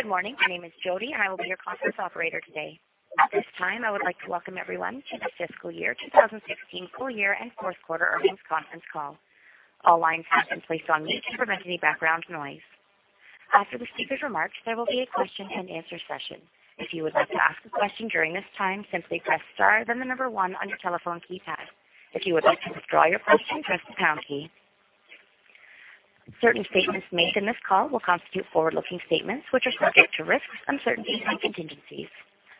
Good morning. My name is Jody, and I will be your conference operator today. At this time, I would like to welcome everyone to the fiscal year 2016 full year and fourth quarter earnings conference call. All lines have been placed on mute to prevent any background noise. After the speakers' remarks, there will be a question and answer session. If you would like to ask a question during this time, simply press star then the number 1 on your telephone keypad. If you would like to withdraw your question, press the pound key. Certain statements made in this call will constitute forward-looking statements, which are subject to risks, uncertainties, and contingencies.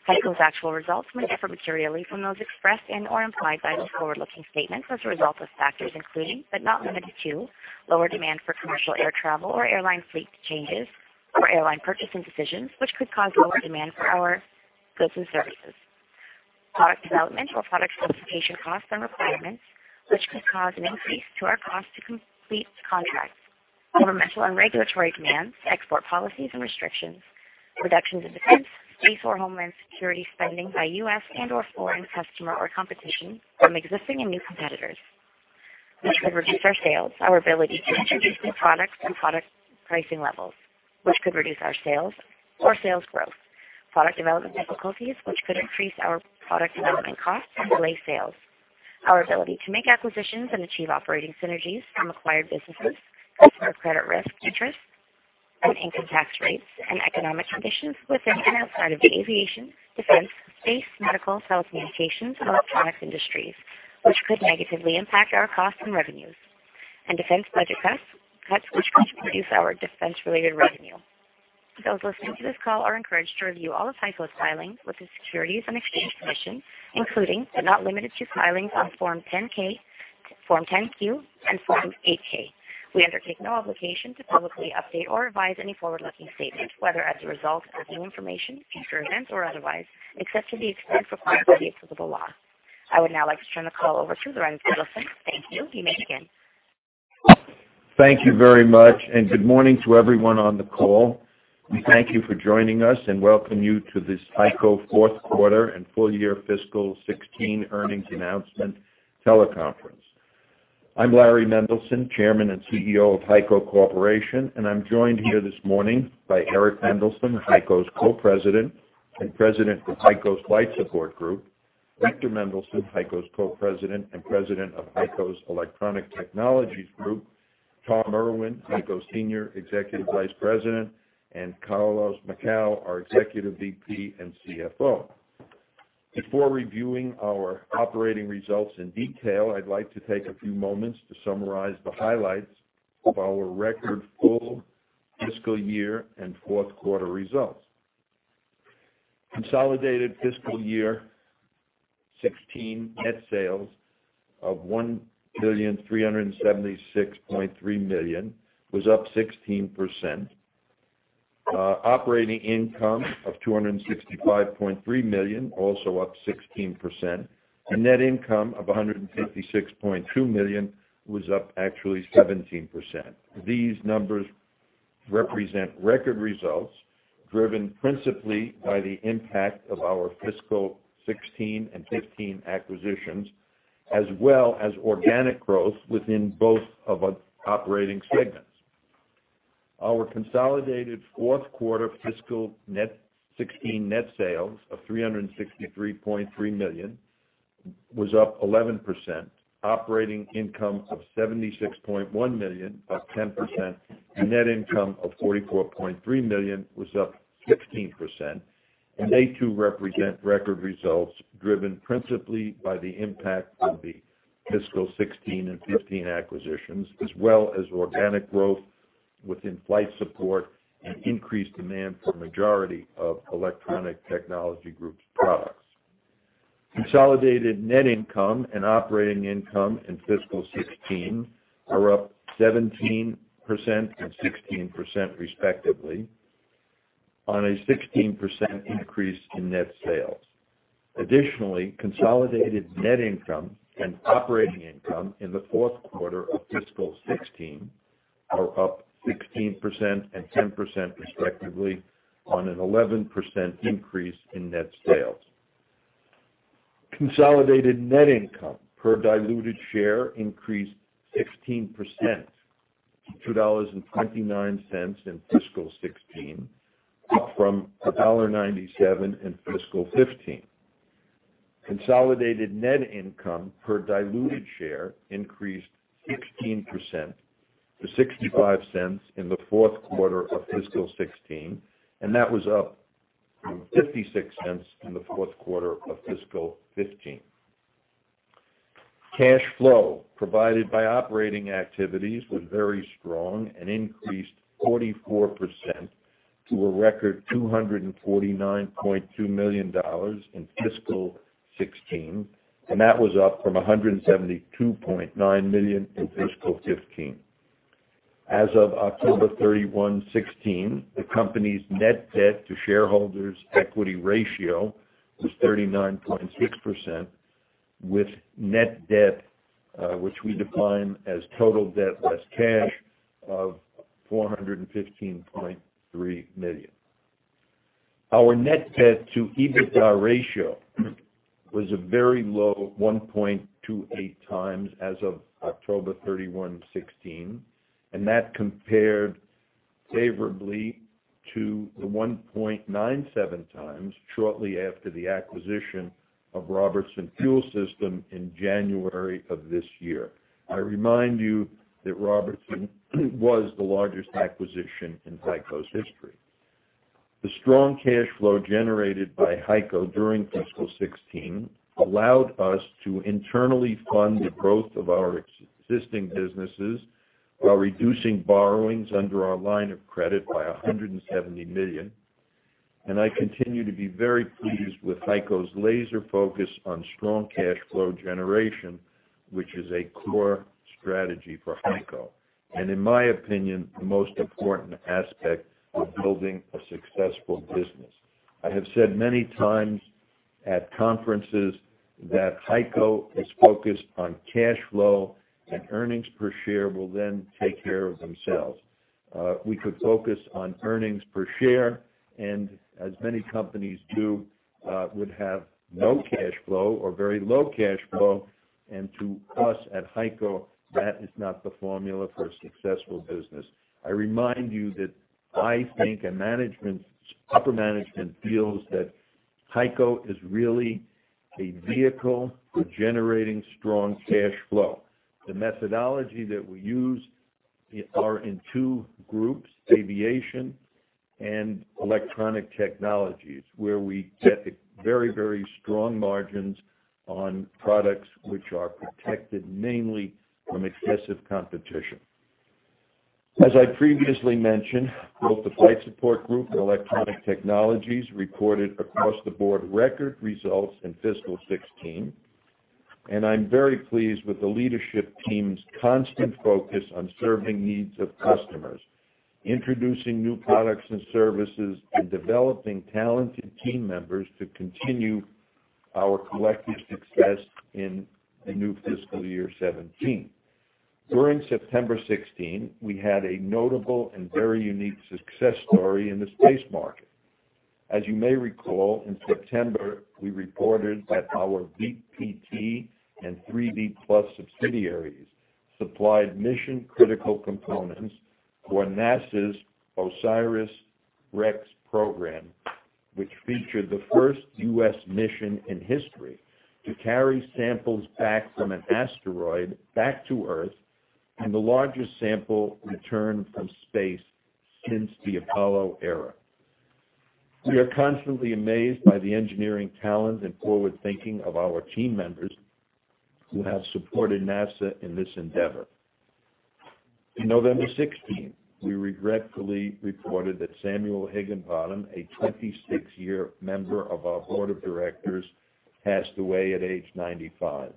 HEICO's actual results may differ materially from those expressed and/or implied by those forward-looking statements as a result of factors including, but not limited to, lower demand for commercial air travel or airline fleet changes or airline purchasing decisions, which could cause lower demand for our goods and services. Product development or product specification costs and requirements, which could cause an increase to our cost to complete contracts. Governmental and regulatory demands, export policies and restrictions, reductions in defense, space, or homeland security spending by U.S. and/or foreign customer or competition from existing and new competitors, which could reduce our sales. Our ability to introduce new products and product pricing levels, which could reduce our sales or sales growth. Product development difficulties, which could increase our product development costs and delay sales. Our ability to make acquisitions and achieve operating synergies from acquired businesses. Customer credit risk, interest, and income tax rates and economic conditions within and outside of the aviation, defense, space, medical, telecommunications, and electronics industries, which could negatively impact our costs and revenues. Defense budget cuts, which could reduce our defense-related revenue. Those listening to this call are encouraged to review all of HEICO's filings with the Securities and Exchange Commission, including, but not limited to, filings on Form 10-K, Form 10-Q, and Form 8-K. We undertake no obligation to publicly update or revise any forward-looking statement, whether as a result of new information, future events, or otherwise, except to the extent required by the applicable law. I would now like to turn the call over to Larry Mendelson. Thank you. You may begin. Thank you very much, and good morning to everyone on the call. We thank you for joining us and welcome you to this HEICO fourth quarter and full year fiscal 2016 earnings announcement teleconference. I'm Larry Mendelson, Chairman and CEO of HEICO Corporation, and I'm joined here this morning by Eric Mendelson, HEICO's Co-President and President of HEICO's Flight Support Group; Victor Mendelson, HEICO's Co-President and President of HEICO's Electronic Technologies Group; Tom Irwin, HEICO's Senior Executive Vice President; and Carlos Macau, our Executive VP and CFO. Before reviewing our operating results in detail, I'd like to take a few moments to summarize the highlights of our record full fiscal year and fourth quarter results. Consolidated fiscal year 2016 net sales of $1,376.3 million was up 16%. Operating income of $265.3 million, also up 16%, and net income of $156.2 million was up actually 17%. These numbers represent record results driven principally by the impact of our fiscal 2016 and 2015 acquisitions, as well as organic growth within both of our operating segments. Our consolidated fourth quarter fiscal 2016 net sales of $363.3 million was up 11%. Operating income of $76.1 million, up 10%, and net income of $44.3 million was up 16%. They too represent record results driven principally by the impact of the fiscal 2016 and 2015 acquisitions, as well as organic growth within Flight Support and increased demand for majority of Electronic Technologies Group's products. Consolidated net income and operating income in fiscal 2016 are up 17% and 16%, respectively, on a 16% increase in net sales. Additionally, consolidated net income and operating income in the fourth quarter of fiscal 2016 are up 16% and 10%, respectively, on an 11% increase in net sales. Consolidated net income per diluted share increased 16% to $2.29 in fiscal 2016, up from $1.97 in fiscal 2015. Consolidated net income per diluted share increased 16% to $0.65 in the fourth quarter of fiscal 2016. That was up from $0.56 in the fourth quarter of fiscal 2015. Cash flow provided by operating activities was very strong and increased 44% to a record $249.2 million in fiscal 2016. That was up from $172.9 million in fiscal 2015. As of October 31, 2016, the company's net debt to shareholders' equity ratio was 39.6%, with net debt, which we define as total debt less cash, of $415.3 million. Our net debt to EBITDA ratio was a very low 1.28 times as of October 31, 2016. That compared favorably to the 1.97 times shortly after the acquisition of Robertson Fuel Systems in January of this year. I remind you that Robertson was the largest acquisition in HEICO's history. The strong cash flow generated by HEICO during fiscal 2016 allowed us to internally fund the growth of our existing businesses while reducing borrowings under our line of credit by $170 million. I continue to be very pleased with HEICO's laser focus on strong cash flow generation, which is a core strategy for HEICO and, in my opinion, the most important aspect of building a successful business. I have said many times at conferences that HEICO is focused on cash flow. Earnings per share will then take care of themselves. We could focus on earnings per share and, as many companies do, would have no cash flow or very low cash flow. To us at HEICO, that is not the formula for a successful business. I remind you that I think, upper management feels that HEICO is really a vehicle for generating strong cash flow. The methodology that we use are in two groups, aviation and electronic technologies, where we get very strong margins on products which are protected mainly from excessive competition. As I previously mentioned, both the Flight Support Group and Electronic Technologies Group reported across-the-board record results in fiscal 2016. I'm very pleased with the leadership team's constant focus on serving needs of customers, introducing new products and services, and developing talented team members to continue our collective success in the new fiscal year 2017. During September 2016, we had a notable and very unique success story in the space market. As you may recall, in September, we reported that our VPT and 3D PLUS subsidiaries supplied mission-critical components for NASA's OSIRIS-REx program, which featured the first U.S. mission in history to carry samples back from an asteroid back to Earth, and the largest sample return from space since the Apollo era. We are constantly amazed by the engineering talent and forward-thinking of our team members who have supported NASA in this endeavor. In November 2016, we regretfully reported that Samuel Higginbottom, a 26-year member of our board of directors, passed away at age 95.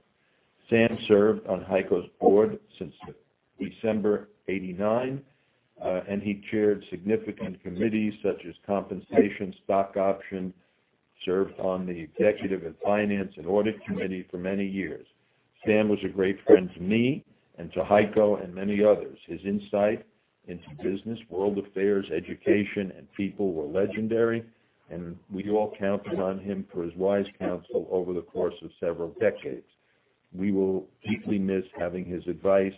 Sam served on HEICO's board since December 1989, and he chaired significant committees such as compensation, stock option, served on the executive and finance and audit committee for many years. Sam was a great friend to me and to HEICO and many others. His insight into business, world affairs, education, and people were legendary. We all counted on him for his wise counsel over the course of several decades. We will deeply miss having his advice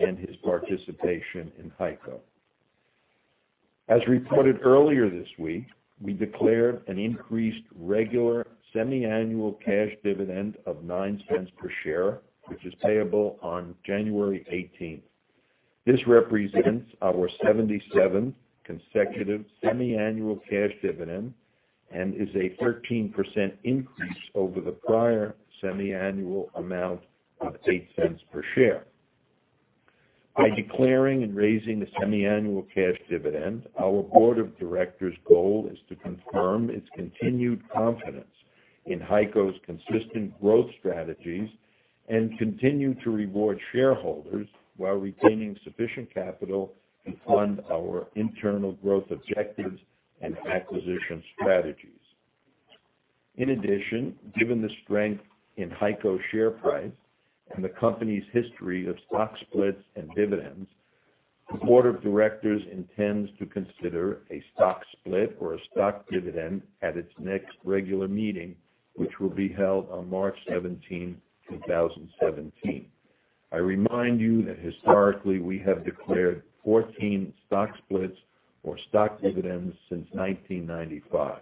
and his participation in HEICO. As reported earlier this week, we declared an increased regular semiannual cash dividend of $0.09 per share, which is payable on January 18th. This represents our 77th consecutive semiannual cash dividend and is a 13% increase over the prior semiannual amount of $0.08 per share. By declaring and raising the semiannual cash dividend, our board of directors' goal is to confirm its continued confidence in HEICO's consistent growth strategies and continue to reward shareholders while retaining sufficient capital to fund our internal growth objectives and acquisition strategies. In addition, given the strength in HEICO's share price and the company's history of stock splits and dividends, the board of directors intends to consider a stock split or a stock dividend at its next regular meeting, which will be held on March 17, 2017. I remind you that historically, we have declared 14 stock splits or stock dividends since 1995.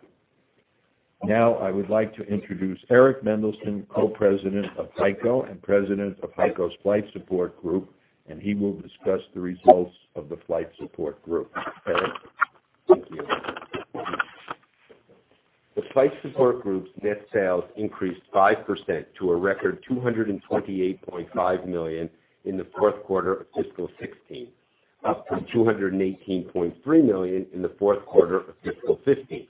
I would like to introduce Eric Mendelson, Co-President of HEICO and President of HEICO's Flight Support Group. He will discuss the results of the Flight Support Group. Eric? Thank you. The Flight Support Group's net sales increased 5% to a record $228.5 million in the fourth quarter of fiscal 2016, up from $218.3 million in the fourth quarter of fiscal 2015.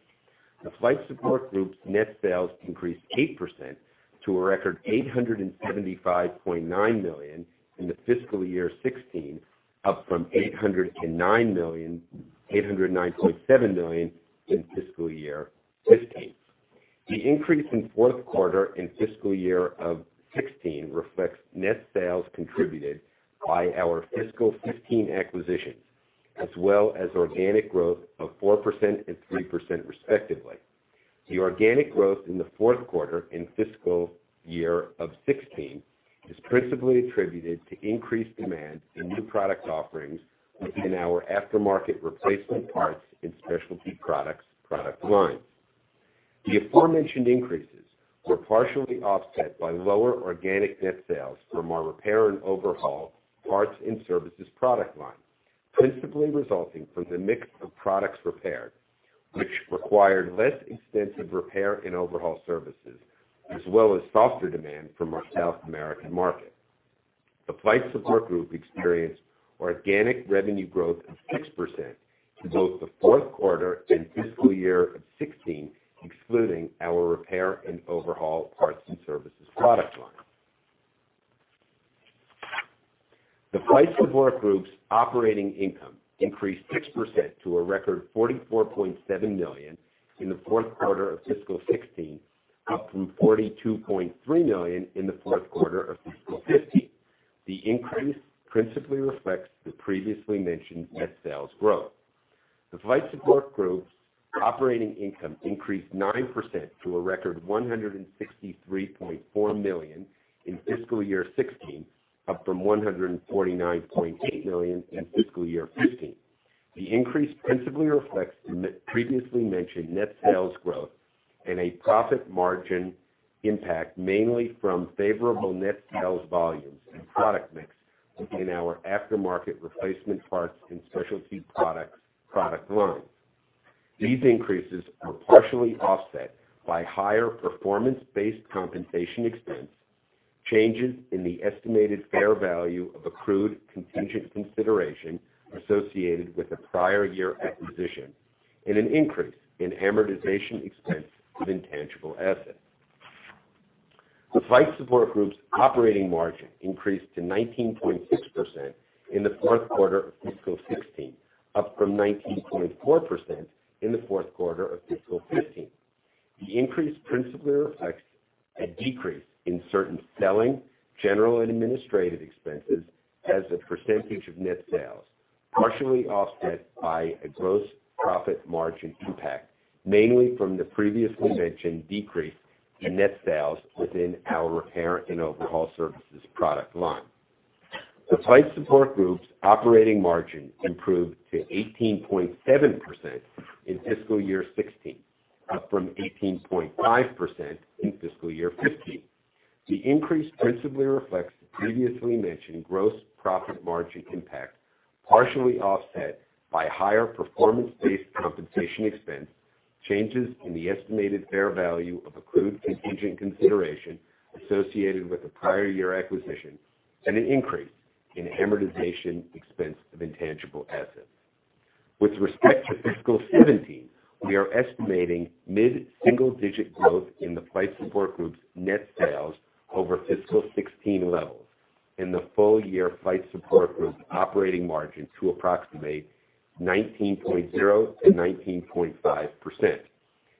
The Flight Support Group's net sales increased 8% to a record $875.9 million in the fiscal year 2016, up from $809.7 million in fiscal year 2015. The increase in fourth quarter and fiscal year of 2016 reflects net sales contributed by our fiscal 2015 acquisitions, as well as organic growth of 4% and 3% respectively. The organic growth in the fourth quarter and fiscal year of 2016 is principally attributed to increased demand in new product offerings within our aftermarket replacement parts and specialty products product lines. The aforementioned increases were partially offset by lower organic net sales from our repair and overhaul parts and services product line, principally resulting from the mix of products repaired, which required less extensive repair and overhaul services, as well as softer demand from our South American market. The Flight Support Group experienced organic revenue growth of 6% in both the fourth quarter and fiscal year 2016, excluding our repair and overhaul parts and services product line. The Flight Support Group's operating income increased 6% to a record $44.7 million in the fourth quarter of fiscal 2016, up from $42.3 million in the fourth quarter of fiscal 2015. The increase principally reflects the previously mentioned net sales growth. The Flight Support Group's operating income increased 9% to a record $163.4 million in fiscal year 2016, up from $149.8 million in fiscal year 2015. The increase principally reflects the previously mentioned net sales growth and a profit margin impact mainly from favorable net sales volumes and product mix within our aftermarket replacement parts and specialty products product lines. These increases were partially offset by higher performance-based compensation expense, changes in the estimated fair value of accrued contingent consideration associated with the prior year acquisition, and an increase in amortization expense of intangible assets. The Flight Support Group's operating margin increased to 19.6% in the fourth quarter of fiscal 2016, up from 19.4% in the fourth quarter of fiscal 2015. The increase principally reflects a decrease in certain selling, general, and administrative expenses as a percentage of net sales, partially offset by a gross profit margin impact, mainly from the previously mentioned decrease in net sales within our repair and overhaul services product line. The Flight Support Group's operating margin improved to 18.7% in fiscal year 2016, up from 18.5% in fiscal year 2015. The increase principally reflects the previously mentioned gross profit margin impact, partially offset by higher performance-based compensation expense, changes in the estimated fair value of accrued contingent consideration associated with the prior year acquisition, and an increase in amortization expense of intangible assets. With respect to fiscal 2017, we are estimating mid-single digit growth in the Flight Support Group's net sales over fiscal 2016 levels and the full year Flight Support Group operating margin to approximate 19.0%-19.5%.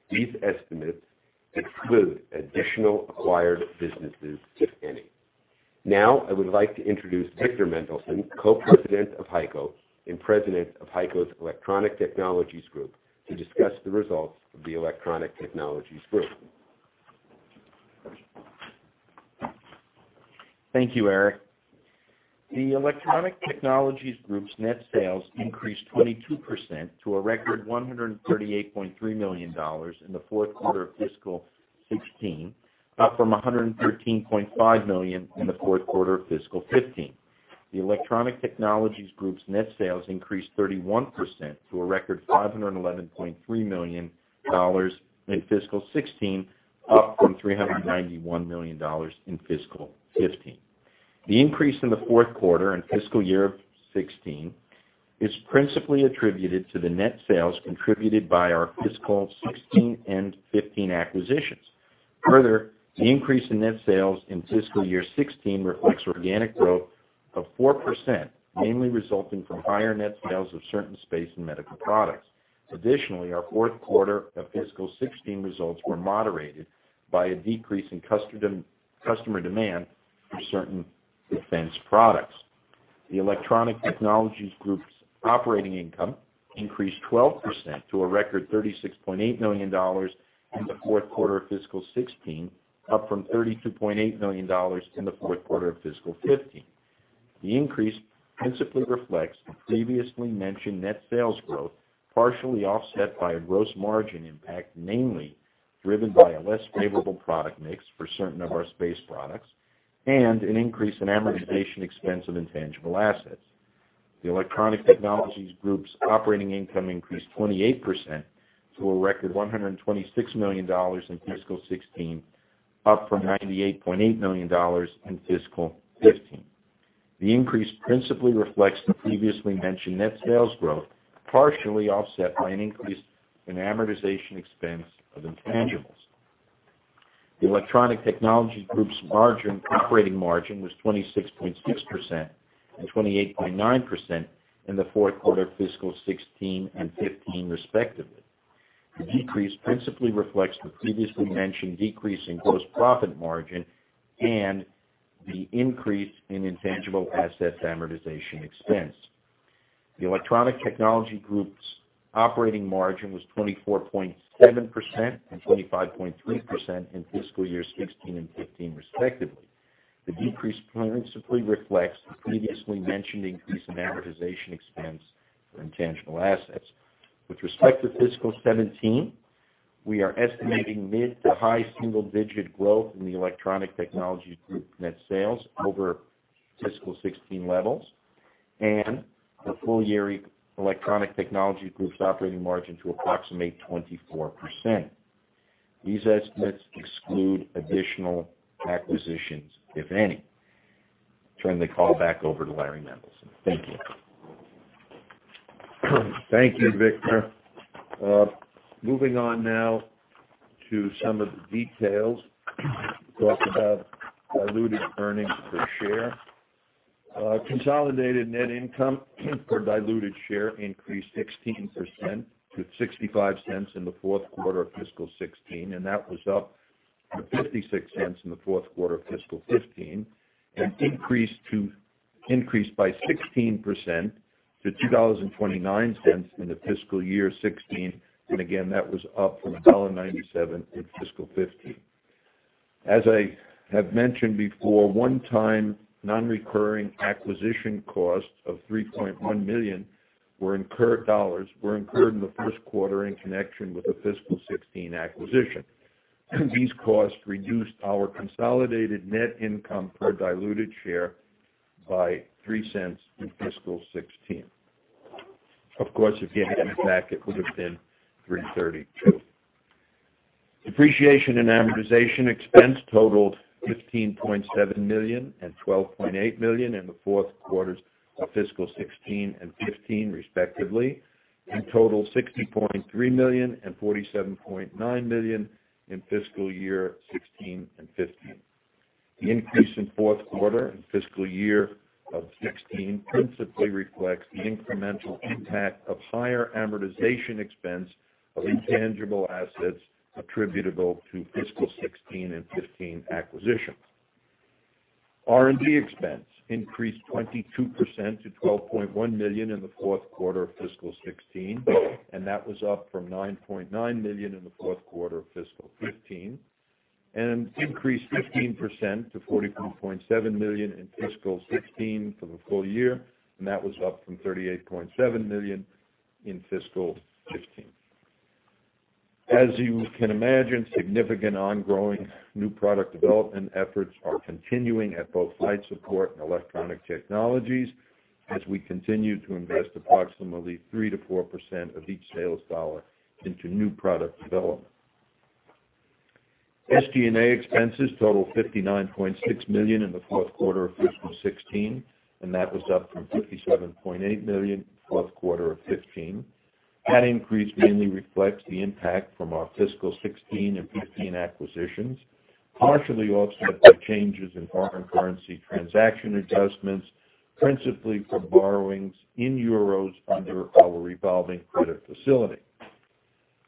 These estimates exclude additional acquired businesses, if any. Now, I would like to introduce Victor Mendelson, Co-President of HEICO and President of HEICO's Electronic Technologies Group, to discuss the results of the Electronic Technologies Group. Thank you, Eric. The Electronic Technologies Group's net sales increased 22% to a record $138.3 million in the fourth quarter of fiscal 2016, up from $113.5 million in the fourth quarter of fiscal 2015. The Electronic Technologies Group's net sales increased 31% to a record $511.3 million in fiscal 2016, up from $391 million in fiscal 2015. The increase in the fourth quarter and fiscal year 2016 is principally attributed to the net sales contributed by our fiscal 2016 and 2015 acquisitions. Further, the increase in net sales in fiscal year 2016 reflects organic growth of 4%, mainly resulting from higher net sales of certain space and medical products. Additionally, our fourth quarter of fiscal 2016 results were moderated by a decrease in customer demand for certain defense products. The Electronic Technologies Group's operating income increased 12% to a record $36.8 million in the fourth quarter of fiscal 2016, up from $32.8 million in the fourth quarter of fiscal 2015. The increase principally reflects the previously mentioned net sales growth, partially offset by a gross margin impact mainly driven by a less favorable product mix for certain of our space products and an increase in amortization expense of intangible assets. The Electronic Technologies Group's operating income increased 28% to a record $126 million in fiscal 2016, up from $98.8 million in fiscal 2015. The increase principally reflects the previously mentioned net sales growth, partially offset by an increase in amortization expense of intangibles. The Electronic Technologies Group's operating margin was 26.6% and 28.9% in the fourth quarter of fiscal 2016 and 2015, respectively. The decrease principally reflects the previously mentioned decrease in gross profit margin and the increase in intangible assets amortization expense. The Electronic Technologies Group's operating margin was 24.7% and 25.3% in fiscal years 2016 and 2015, respectively. The decrease principally reflects the previously mentioned increase in amortization expense for intangible assets. With respect to fiscal 2017, we are estimating mid to high single-digit growth in the Electronic Technologies Group net sales over fiscal 2016 levels, and the full-year Electronic Technologies Group's operating margin to approximate 24%. These estimates exclude additional acquisitions, if any. I turn the call back over to Larry Mendelson. Thank you. Thank you, Victor. Moving on now to some of the details. We talked about diluted earnings per share. Consolidated net income per diluted share increased 16% to $0.65 in the fourth quarter of fiscal 2016, and that was up from $0.56 in the fourth quarter of fiscal 2015, and increased by 16% to $2.29 in the fiscal year 2016. That was up from $1.97 in fiscal 2015. As I have mentioned before, one-time non-recurring acquisition costs of $3.1 million were incurred in the first quarter in connection with the fiscal 2016 acquisition. These costs reduced our consolidated net income per diluted share by $0.03 in fiscal 2016. Of course, if you add it back, it would've been $2.32. Depreciation and amortization expense totaled $15.7 million and $12.8 million in the fourth quarters of fiscal 2016 and 2015, respectively, and totaled $60.3 million and $47.9 million in fiscal year 2016 and 2015. The increase in fourth quarter and fiscal year 2016 principally reflects the incremental impact of higher amortization expense of intangible assets attributable to fiscal 2016 and 2015 acquisitions. R&D expense increased 22% to $12.1 million in the fourth quarter of fiscal 2016, and that was up from $9.9 million in the fourth quarter of fiscal 2015, and increased 15% to $44.7 million in fiscal 2016 for the full year, and that was up from $38.7 million in fiscal 2015. As you can imagine, significant ongoing new product development efforts are continuing at both Flight Support and Electronic Technologies, as we continue to invest approximately 3%-4% of each sales dollar into new product development. SG&A expenses totaled $59.6 million in the fourth quarter of fiscal 2016, that was up from $57.8 million in the fourth quarter of fiscal 2015. That increase mainly reflects the impact from our fiscal 2016 and 2015 acquisitions, partially offset by changes in foreign currency transaction adjustments, principally from borrowings in euros under our revolving credit facility.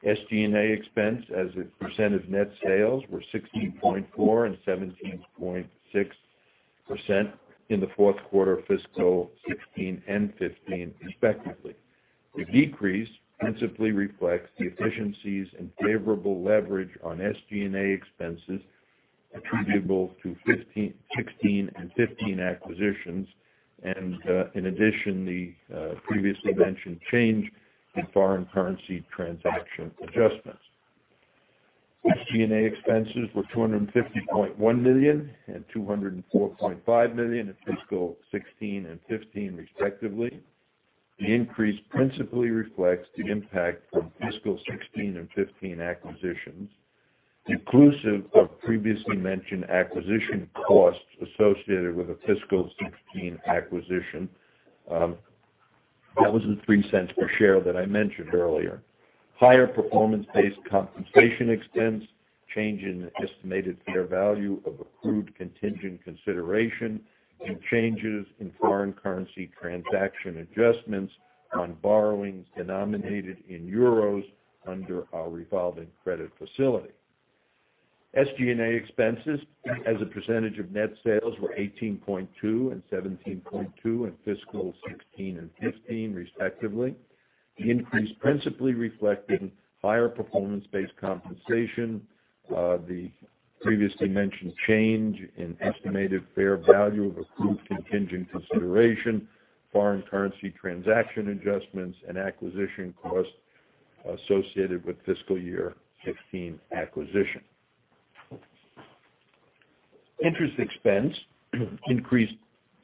SG&A expenses as a percent of net sales were 16.4% and 17.6% in the fourth quarter of fiscal 2016 and fiscal 2015, respectively. The decrease principally reflects the efficiencies and favorable leverage on SG&A expenses attributable to 2016 and 2015 acquisitions, and in addition, the previously mentioned change in foreign currency transaction adjustments. SG&A expenses were $250.1 million and $204.5 million in fiscal 2016 and fiscal 2015, respectively. The increase principally reflects the impact from fiscal 2016 and 2015 acquisitions, inclusive of previously mentioned acquisition costs associated with the fiscal 2016 acquisition. That was the $0.03 per share that I mentioned earlier. Higher performance-based compensation expense, change in estimated fair value of accrued contingent consideration, and changes in foreign currency transaction adjustments on borrowings denominated in euros under our revolving credit facility. SG&A expenses as a percentage of net sales were 18.2% and 17.2% in fiscal 2016 and fiscal 2015, respectively. The increase principally reflected higher performance-based compensation, the previously mentioned change in estimated fair value of accrued contingent consideration, foreign currency transaction adjustments, and acquisition costs associated with fiscal year 2016 acquisition. Interest expense increased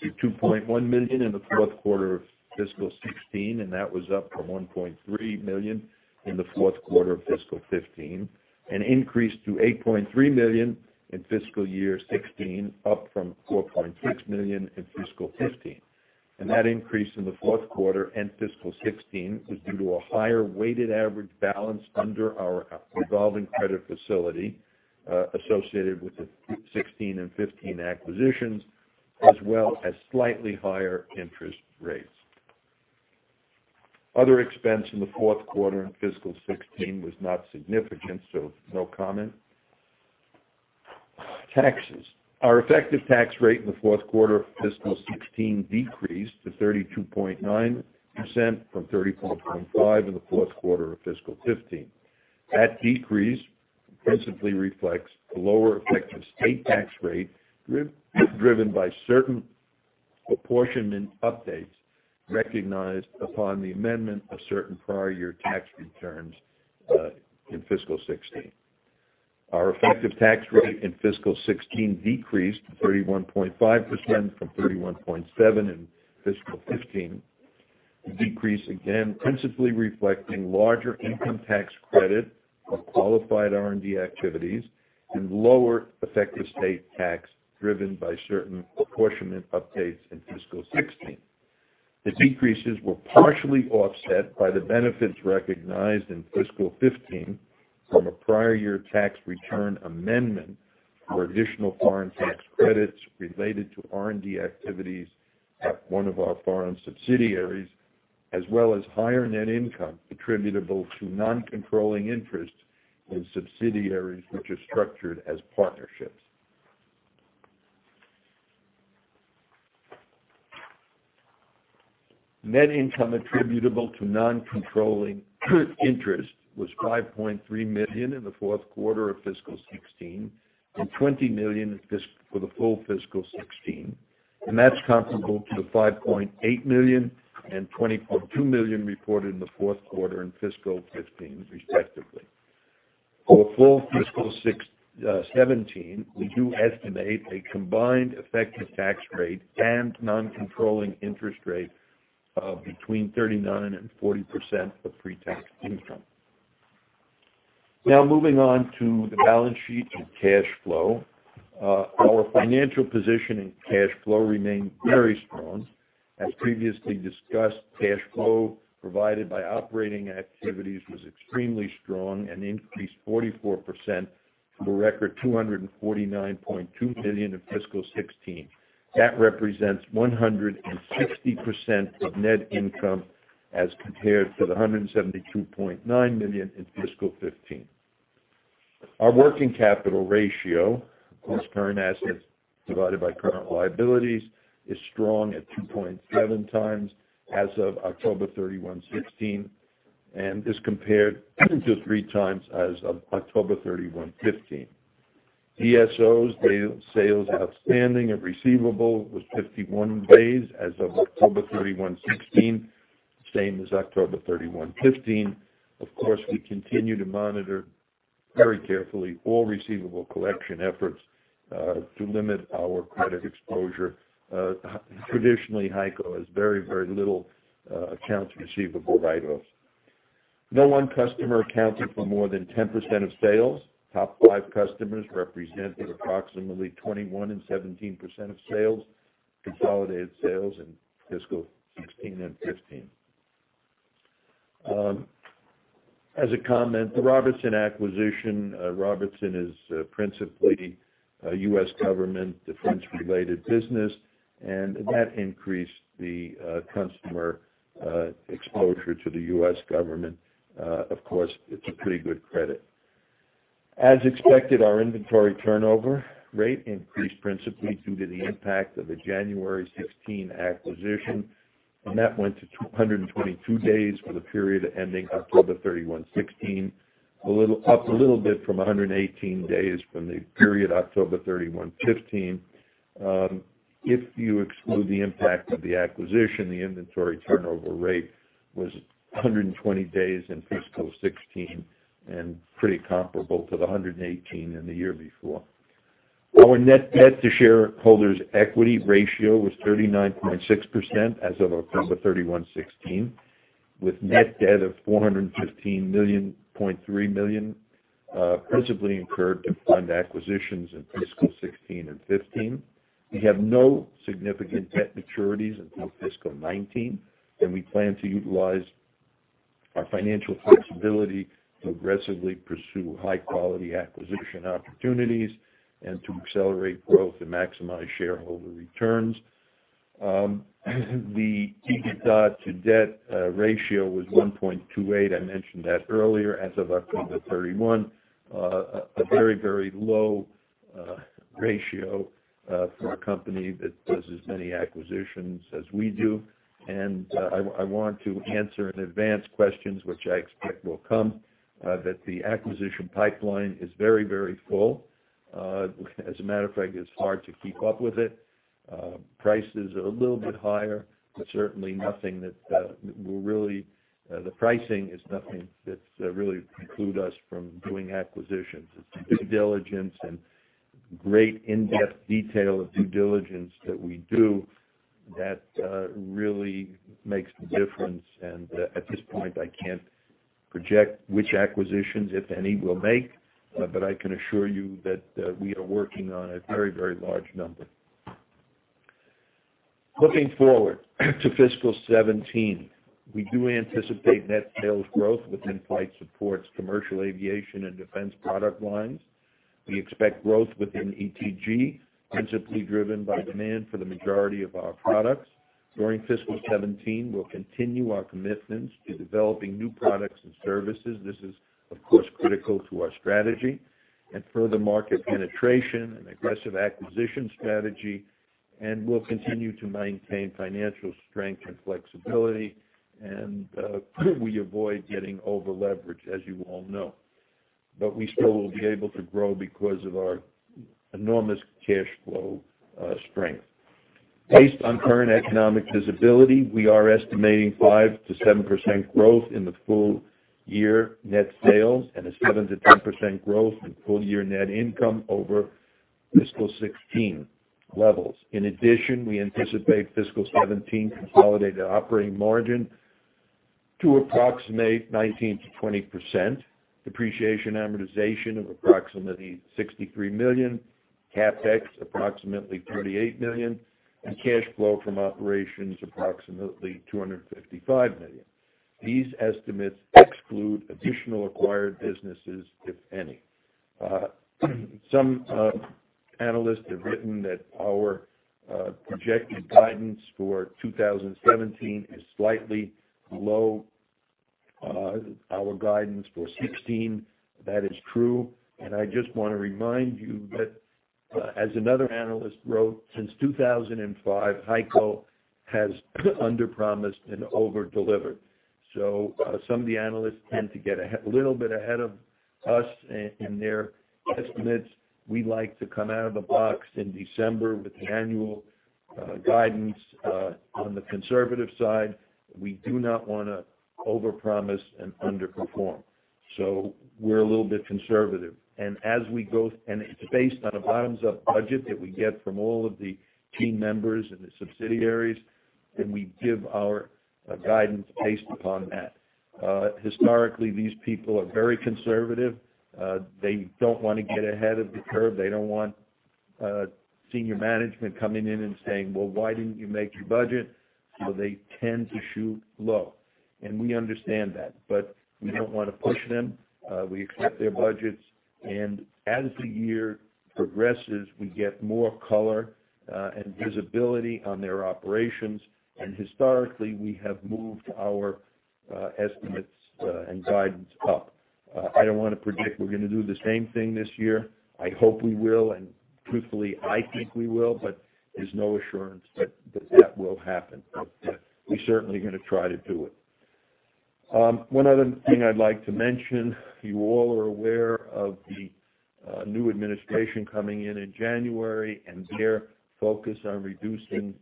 to $2.1 million in the fourth quarter of fiscal 2016, that was up from $1.3 million in the fourth quarter of fiscal 2015, increased to $8.3 million in fiscal year 2016, up from $4.6 million in fiscal 2015. That increase in the fourth quarter and fiscal 2016 is due to a higher weighted average balance under our revolving credit facility associated with the 2016 and 2015 acquisitions, as well as slightly higher interest rates. Other expense in the fourth quarter and fiscal 2016 was not significant, so no comment. Taxes. Our effective tax rate in the fourth quarter of fiscal 2016 decreased to 32.9% from 34.5% in the fourth quarter of fiscal 2015. That decrease principally reflects the lower effective state tax rate driven by certain apportionment updates recognized upon the amendment of certain prior year tax returns in fiscal 2016. Our effective tax rate in fiscal 2016 decreased to 31.5% from 31.7% in fiscal 2015. The decrease, again, principally reflecting larger income tax credit for qualified R&D activities and lower effective state tax driven by certain apportionment updates in fiscal 2016. The decreases were partially offset by the benefits recognized in fiscal 2015 from a prior year tax return amendment for additional foreign tax credits related to R&D activities at one of our foreign subsidiaries, as well as higher net income attributable to non-controlling interest in subsidiaries which are structured as partnerships. Net income attributable to non-controlling interest was $5.3 million in the fourth quarter of fiscal 2016 and $20 million for the full fiscal 2016, that's comparable to the $5.8 million and $20.2 million reported in the fourth quarter in fiscal 2015, respectively. For full fiscal 2017, we do estimate a combined effective tax rate and non-controlling interest rate of between 39%-40% of pre-tax income. Moving on to the balance sheet and cash flow. Our financial position and cash flow remained very strong. As previously discussed, cash flow provided by operating activities was extremely strong and increased 44% to a record $249.2 million in fiscal 2016. That represents 160% of net income as compared to the $172.9 million in fiscal 2015. Our working capital ratio, of course, current assets divided by current liabilities, is strong at 2.7 times as of October 31, 2016, and this compared to three times as of October 31, 2015. DSOs, days sales outstanding of receivable, was 51 days as of October 31, 2016, same as October 31, 2015. Of course, we continue to monitor very carefully all receivable collection efforts to limit our credit exposure. Traditionally, HEICO has very little accounts receivable write-offs. No one customer accounted for more than 10% of sales. Top five customers represented approximately 21% and 17% of consolidated sales in fiscal 2016 and 2015. As a comment, the Robertson acquisition. Robertson is principally a U.S. government defense-related business, and that increased the customer exposure to the U.S. government. Of course, it's a pretty good credit. As expected, our inventory turnover rate increased principally due to the impact of the January 2016 acquisition, and that went to 222 days for the period ending October 31, 2016, up a little bit from 118 days from the period October 31, 2015. If you exclude the impact of the acquisition, the inventory turnover rate was 120 days in fiscal 2016 and pretty comparable to the 118 in the year before. Our net debt to shareholders' equity ratio was 39.6% as of October 31, 2016, with net debt of $415.3 million principally incurred to fund acquisitions in fiscal 2016 and 2015. We have no significant debt maturities until fiscal 2019, and we plan to utilize our financial flexibility to aggressively pursue high-quality acquisition opportunities and to accelerate growth and maximize shareholder returns. The EBITDA to debt ratio was 1.28, I mentioned that earlier, as of October 31. A very low ratio for a company that does as many acquisitions as we do. I want to answer in advance questions which I expect will come, that the acquisition pipeline is very full. As a matter of fact, it's hard to keep up with it. Prices are a little bit higher, but the pricing is nothing that really preclude us from doing acquisitions. It's the due diligence and great in-depth detail of due diligence that we do that really makes the difference, and at this point, I can't project which acquisitions, if any, we'll make. I can assure you that we are working on a very large number. Looking forward to fiscal 2017, we do anticipate net sales growth within Flight Support's commercial aviation and defense product lines. We expect growth within ETG, principally driven by demand for the majority of our products. During fiscal 2017, we'll continue our commitments to developing new products and services. This is, of course, critical to our strategy and further market penetration and aggressive acquisition strategy. We'll continue to maintain financial strength and flexibility. We avoid getting over-leveraged, as you all know. We still will be able to grow because of our enormous cash flow strength. Based on current economic visibility, we are estimating 5%-7% growth in the full year net sales, and 7%-10% growth in full year net income over fiscal 2016 levels. In addition, we anticipate fiscal 2017 consolidated operating margin to approximate 19%-20%, depreciation, amortization of approximately $63 million, CapEx approximately $38 million, and cash flow from operations approximately $255 million. These estimates exclude additional acquired businesses, if any. Some analysts have written that our projected guidance for 2017 is slightly below our guidance for 2016. That is true, I just want to remind you that, as another analyst wrote, since 2005, HEICO has underpromised and over-delivered. Some of the analysts tend to get a little bit ahead of us in their estimates. We like to come out of the box in December with the annual guidance on the conservative side. We do not want to overpromise and underperform. We're a little bit conservative. It's based on a bottoms-up budget that we get from all of the team members and the subsidiaries, we give our guidance based upon that. Historically, these people are very conservative. They don't want to get ahead of the curve. They don't want senior management coming in and saying, "Well, why didn't you make your budget?" They tend to shoot low. We understand that, but we don't want to push them. We accept their budgets. As the year progresses, we get more color and visibility on their operations. Historically, we have moved our estimates and guidance up. I don't want to predict we're going to do the same thing this year. I hope we will, and truthfully, I think we will, but there's no assurance that that will happen. We're certainly going to try to do it. One other thing I'd like to mention, you all are aware of the new administration coming in in January and their focus on reducing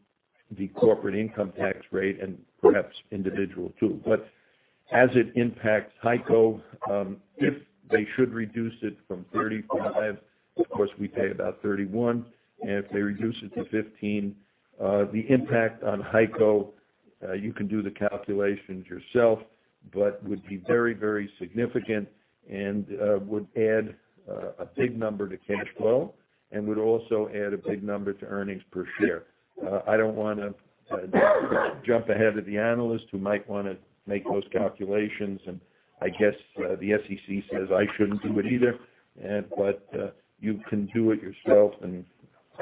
the corporate income tax rate and perhaps individual too. As it impacts HEICO, if they should reduce it from 35, of course, we pay about 31, and if they reduce it to 15, the impact on HEICO, you can do the calculations yourself, but would be very significant and would add a big number to cash flow, and would also add a big number to earnings per share. I don't want to jump ahead of the analyst who might want to make those calculations, I guess the SEC says I shouldn't do it either, but you can do it yourself.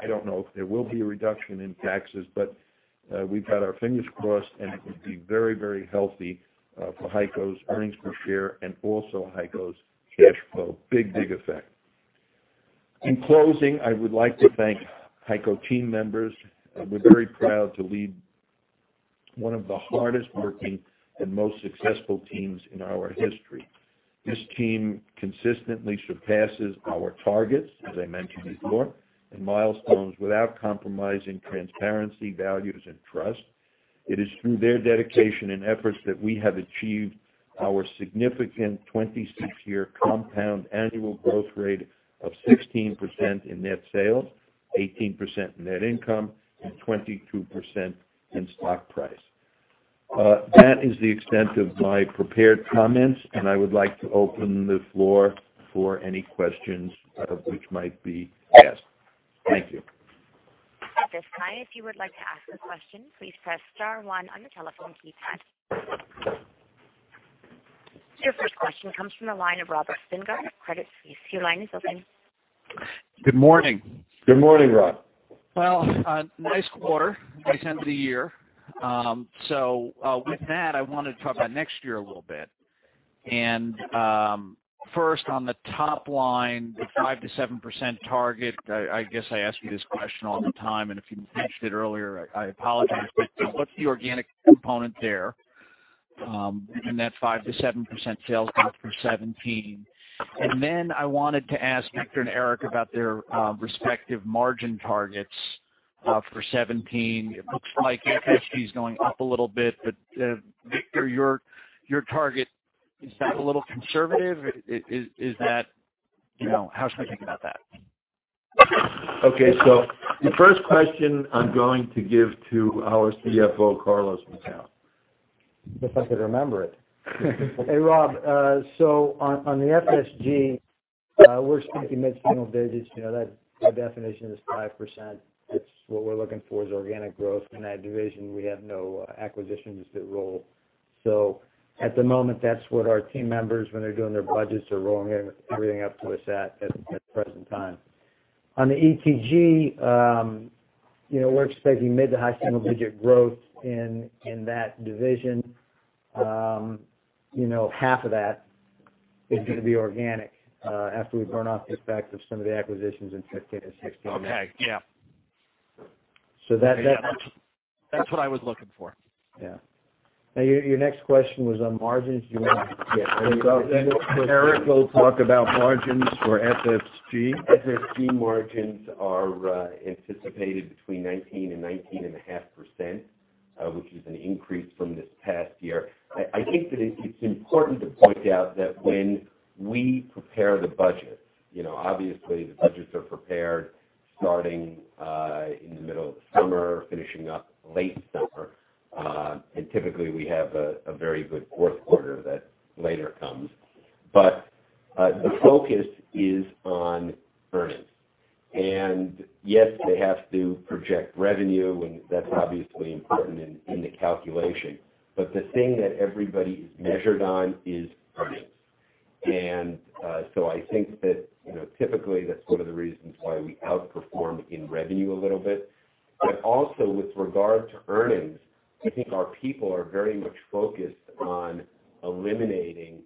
I don't know if there will be a reduction in taxes, but we've got our fingers crossed, and it would be very healthy for HEICO's earnings per share and also HEICO's cash flow. Big effect. In closing, I would like to thank HEICO team members. We're very proud to lead one of the hardest-working and most successful teams in our history. This team consistently surpasses our targets, as I mentioned before, and milestones without compromising transparency, values, and trust. It is through their dedication and efforts that we have achieved our significant 26-year compound annual growth rate of 16% in net sales, 18% in net income, and 22% in stock price. That is the extent of my prepared comments, I would like to open the floor for any questions which might be asked. Thank you. At this time, if you would like to ask a question, please press star one on your telephone keypad. Your first question comes from the line of Robert Spingarn of Credit Suisse. Your line is open. Good morning. Good morning, Rob. Nice quarter. Nice end of the year. With that, I wanted to talk about next year a little bit. First on the top line, the 5%-7% target, I guess I ask you this question all the time, and if you answered it earlier, I apologize, but what's the organic component there in that 5%-7% sales growth for 2017? Then I wanted to ask Victor and Eric about their respective margin targets for 2017. It looks like FSG is going up a little bit, but Victor, your target, is that a little conservative? How should we think about that? Okay. The first question I'm going to give to our CFO, Carlos Macau. If I could remember it. Hey, Rob. On the FSG, we're expecting mid-single digits. By definition, that's 5%. What we're looking for is organic growth in that division. We have no acquisitions that roll. At the moment, that's what our team members, when they're doing their budgets, are rolling everything up to us at present time. On the ETG, we're expecting mid to high single-digit growth in that division. Half of that is going to be organic, after we burn off the effects of some of the acquisitions in 2015 and 2016. Okay. Yeah. So that- That's what I was looking for. Yeah. Your next question was on margins. Do you want to- Yeah. Eric will talk about margins for FSG. FSG margins are anticipated between 19% and 19.5%, which is an increase from this past year. I think that it's important to point out that when we prepare the budget, obviously the budgets are prepared starting in the middle of the summer, finishing up late summer. Typically, we have a very good fourth quarter that later comes. The focus is on earnings. Yes, they have to project revenue, and that's obviously important in the calculation. The thing that everybody is measured on is earnings. I think that typically, that's one of the reasons why we outperformed in revenue a little bit. Also with regard to earnings, I think our people are very much focused on eliminating,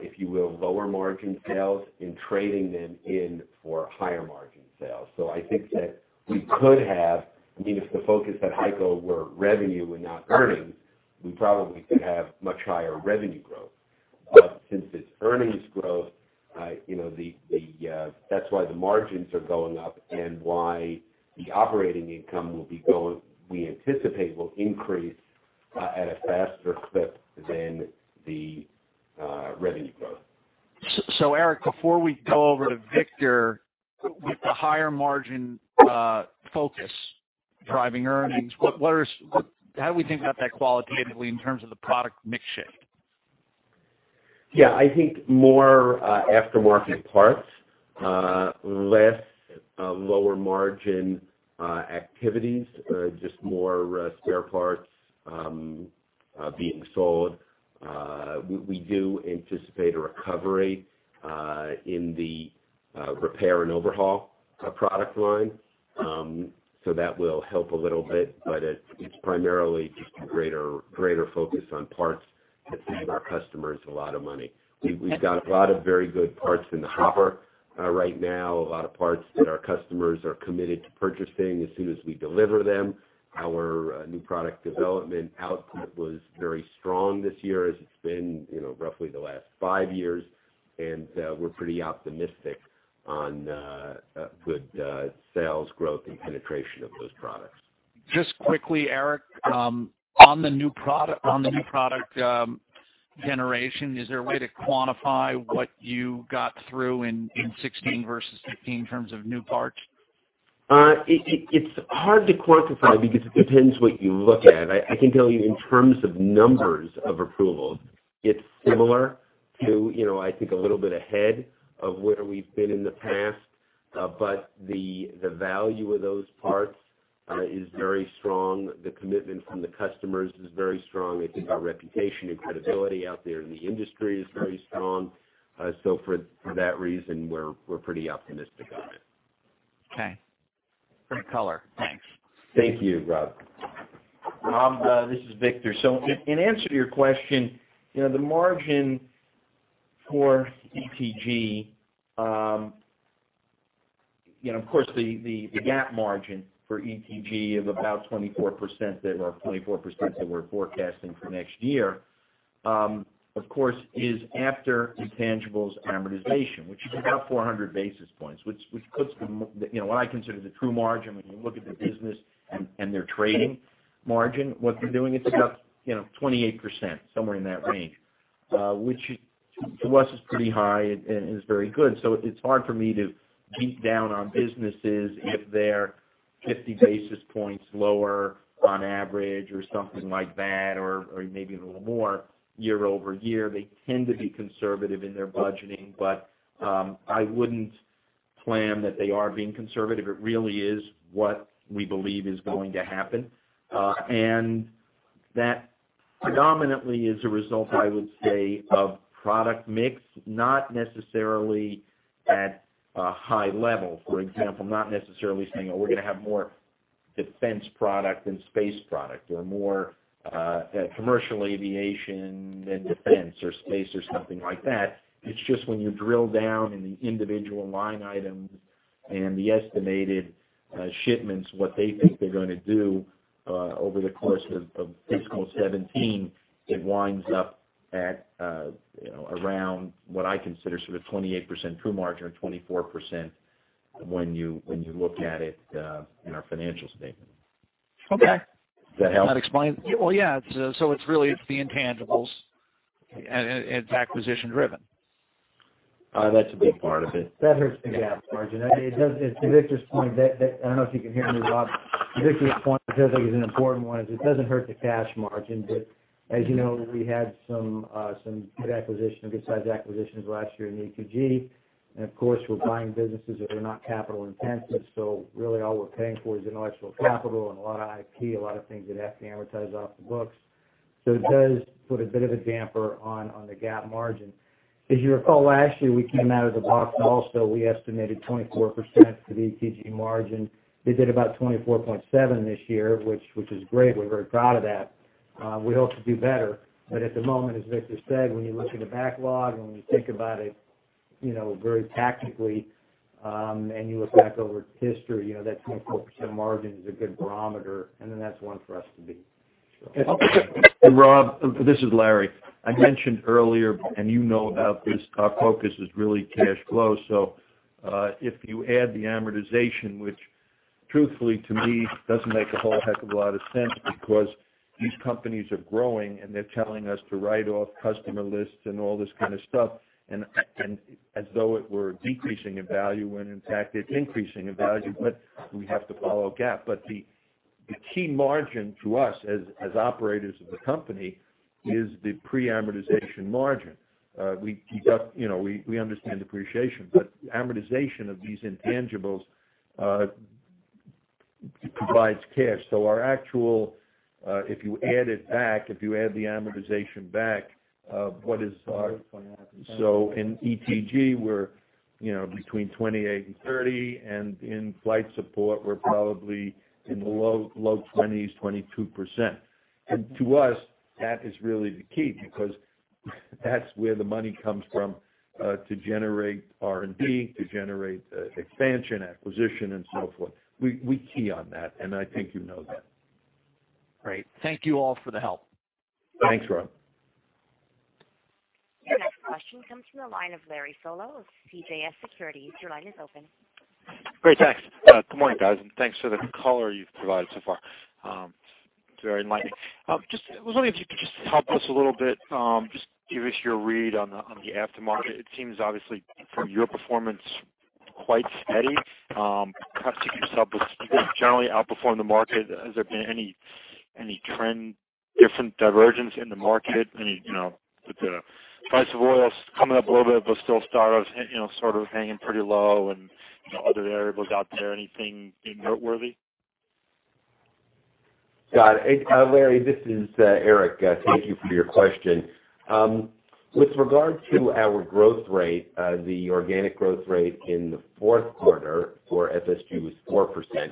if you will, lower margin sales and trading them in for higher margin sales. I think that if the focus at HEICO were revenue and not earnings, we probably could have much higher revenue growth. Since it's earnings growth, that's why the margins are going up and why the operating income, we anticipate, will increase at a faster clip than the revenue growth. Eric, before we go over to Victor, with the higher margin focus driving earnings, how do we think about that qualitatively in terms of the product mix shift? I think more aftermarket parts, less lower margin activities, just more spare parts being sold. We do anticipate a recovery in the repair and overhaul product line. That will help a little bit, it's primarily just a greater focus on parts that save our customers a lot of money. We've got a lot of very good parts in the hopper right now, a lot of parts that our customers are committed to purchasing as soon as we deliver them. Our new product development output was very strong this year, as it's been roughly the last five years. We're pretty optimistic on good sales growth and penetration of those products. Just quickly, Eric, on the new product generation, is there a way to quantify what you got through in 2016 versus 2015 in terms of new parts? It's hard to quantify because it depends what you look at. I can tell you in terms of numbers of approvals, it's similar to, I think, a little bit ahead of where we've been in the past. The value of those parts is very strong. The commitment from the customers is very strong. I think our reputation and credibility out there in the industry is very strong. For that reason, we're pretty optimistic on it. Okay. Good color. Thanks. Thank you, Rob. Rob, this is Victor. In answer to your question, the margin for ETG, of course, the GAAP margin for ETG of about 24%, or 24% that we're forecasting for next year, of course, is after intangibles amortization, which is about 400 basis points. What I consider the true margin when you look at the business and their trading margin, what they're doing, it's about 28%, somewhere in that range. Which to us is pretty high and is very good. It's hard for me to beat down on businesses if they're 50 basis points lower on average or something like that, or maybe a little more year-over-year. They tend to be conservative in their budgeting, but I wouldn't claim that they are being conservative. It really is what we believe is going to happen. That predominantly is a result, I would say, of product mix. Not necessarily at a high level, for example, not necessarily saying, "Oh, we're going to have more defense product than space product," or more commercial aviation than defense or space or something like that. It's just when you drill down in the individual line items and the estimated shipments, what they think they're going to do over the course of fiscal 2017, it winds up at around what I consider sort of 28% true margin or 24% when you look at it in our financial statement. Okay. Does that help? That explains. Well, yeah. It's really the intangibles, and it's acquisition driven. That's a big part of it. That hurts the GAAP margin. To Victor's point, I don't know if you can hear me, Rob. Victor's point, I feel like is an important one, is it doesn't hurt the cash margin. As you know, we had some good acquisition, good-sized acquisitions last year in ETG, and of course, we're buying businesses that are not capital intensive. Really all we're paying for is intellectual capital and a lot of IT, a lot of things that have to amortize off the books. It does put a bit of a damper on the GAAP margin. As you recall, last year we came out of the box and also we estimated 24% for the ETG margin. We did about 24.7% this year, which is great. We're very proud of that. We hope to do better. At the moment, as Victor said, when you look at the backlog and when you think about it very tactically, and you look back over history, that 24% margin is a good barometer, and then that's one for us to beat. Rob, this is Larry. I mentioned earlier, and you know about this, our focus is really cash flow. If you add the amortization, which truthfully to me doesn't make a whole heck of a lot of sense because these companies are growing and they're telling us to write off customer lists and all this kind of stuff, as though it were decreasing in value, when in fact it's increasing in value. We have to follow GAAP. The key margin to us as operators of the company is the pre-amortization margin. We understand depreciation, but amortization of these intangibles provides cash. Our actual, if you add the amortization back, what is our In ETG, we're between 28% and 30%, and in flight support, we're probably in the low 20s, 22%. To us, that is really the key, because that's where the money comes from, to generate R&D, to generate expansion, acquisition, and so forth. We key on that, and I think you know that. Great. Thank you all for the help. Thanks, Rob. Your next question comes from the line of Larry Solow of CJS Securities. Your line is open. Great, thanks. Good morning, guys. Thanks for the color you've provided so far. It's very enlightening. I was wondering if you could just help us a little bit, just give us your read on the aftermarket. It seems obviously from your performance, quite steady. FSG keeps up with, generally outperform the market. Has there been any trend, different divergence in the market, with the price of oil coming up a little bit, but still sort of hanging pretty low and other variables out there, anything noteworthy? Got it. Larry, this is Eric. Thank you for your question. With regard to our growth rate, the organic growth rate in the fourth quarter for FSG was 4%.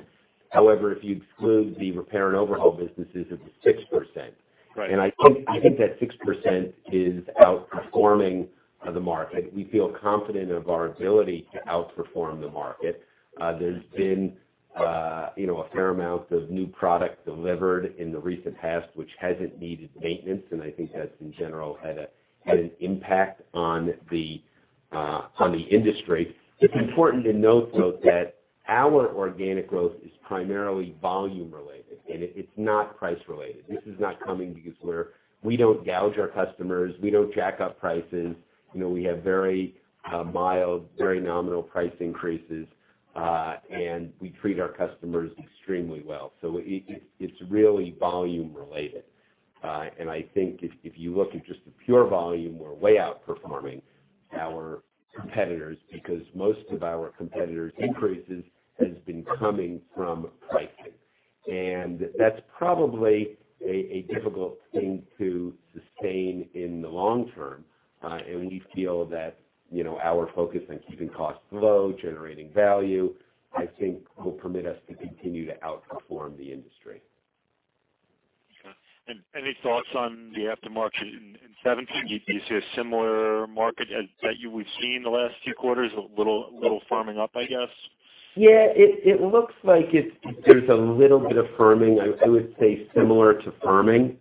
However, if you exclude the repair and overhaul businesses, it was 6%. Right. I think that 6% is outperforming the market. We feel confident of our ability to outperform the market. There's been a fair amount of new product delivered in the recent past, which hasn't needed maintenance, I think that's, in general, had an impact on the industry. It's important to note, though, that our organic growth is primarily volume related, it's not price related. This is not coming because We don't gouge our customers. We don't jack up prices. We have very mild, very nominal price increases, we treat our customers extremely well. It's really volume related. I think if you look at just the pure volume, we're way outperforming our competitors because most of our competitors' increases has been coming from pricing. That's probably a difficult thing to sustain in the long term. We feel that our focus on keeping costs low, generating value, I think will permit us to continue to outperform the industry. Okay. Any thoughts on the aftermarket in 2017? Do you see a similar market as that you we've seen in the last few quarters? A little firming up, I guess? Yeah, it looks like there's a little bit of firming. I would say similar to firming.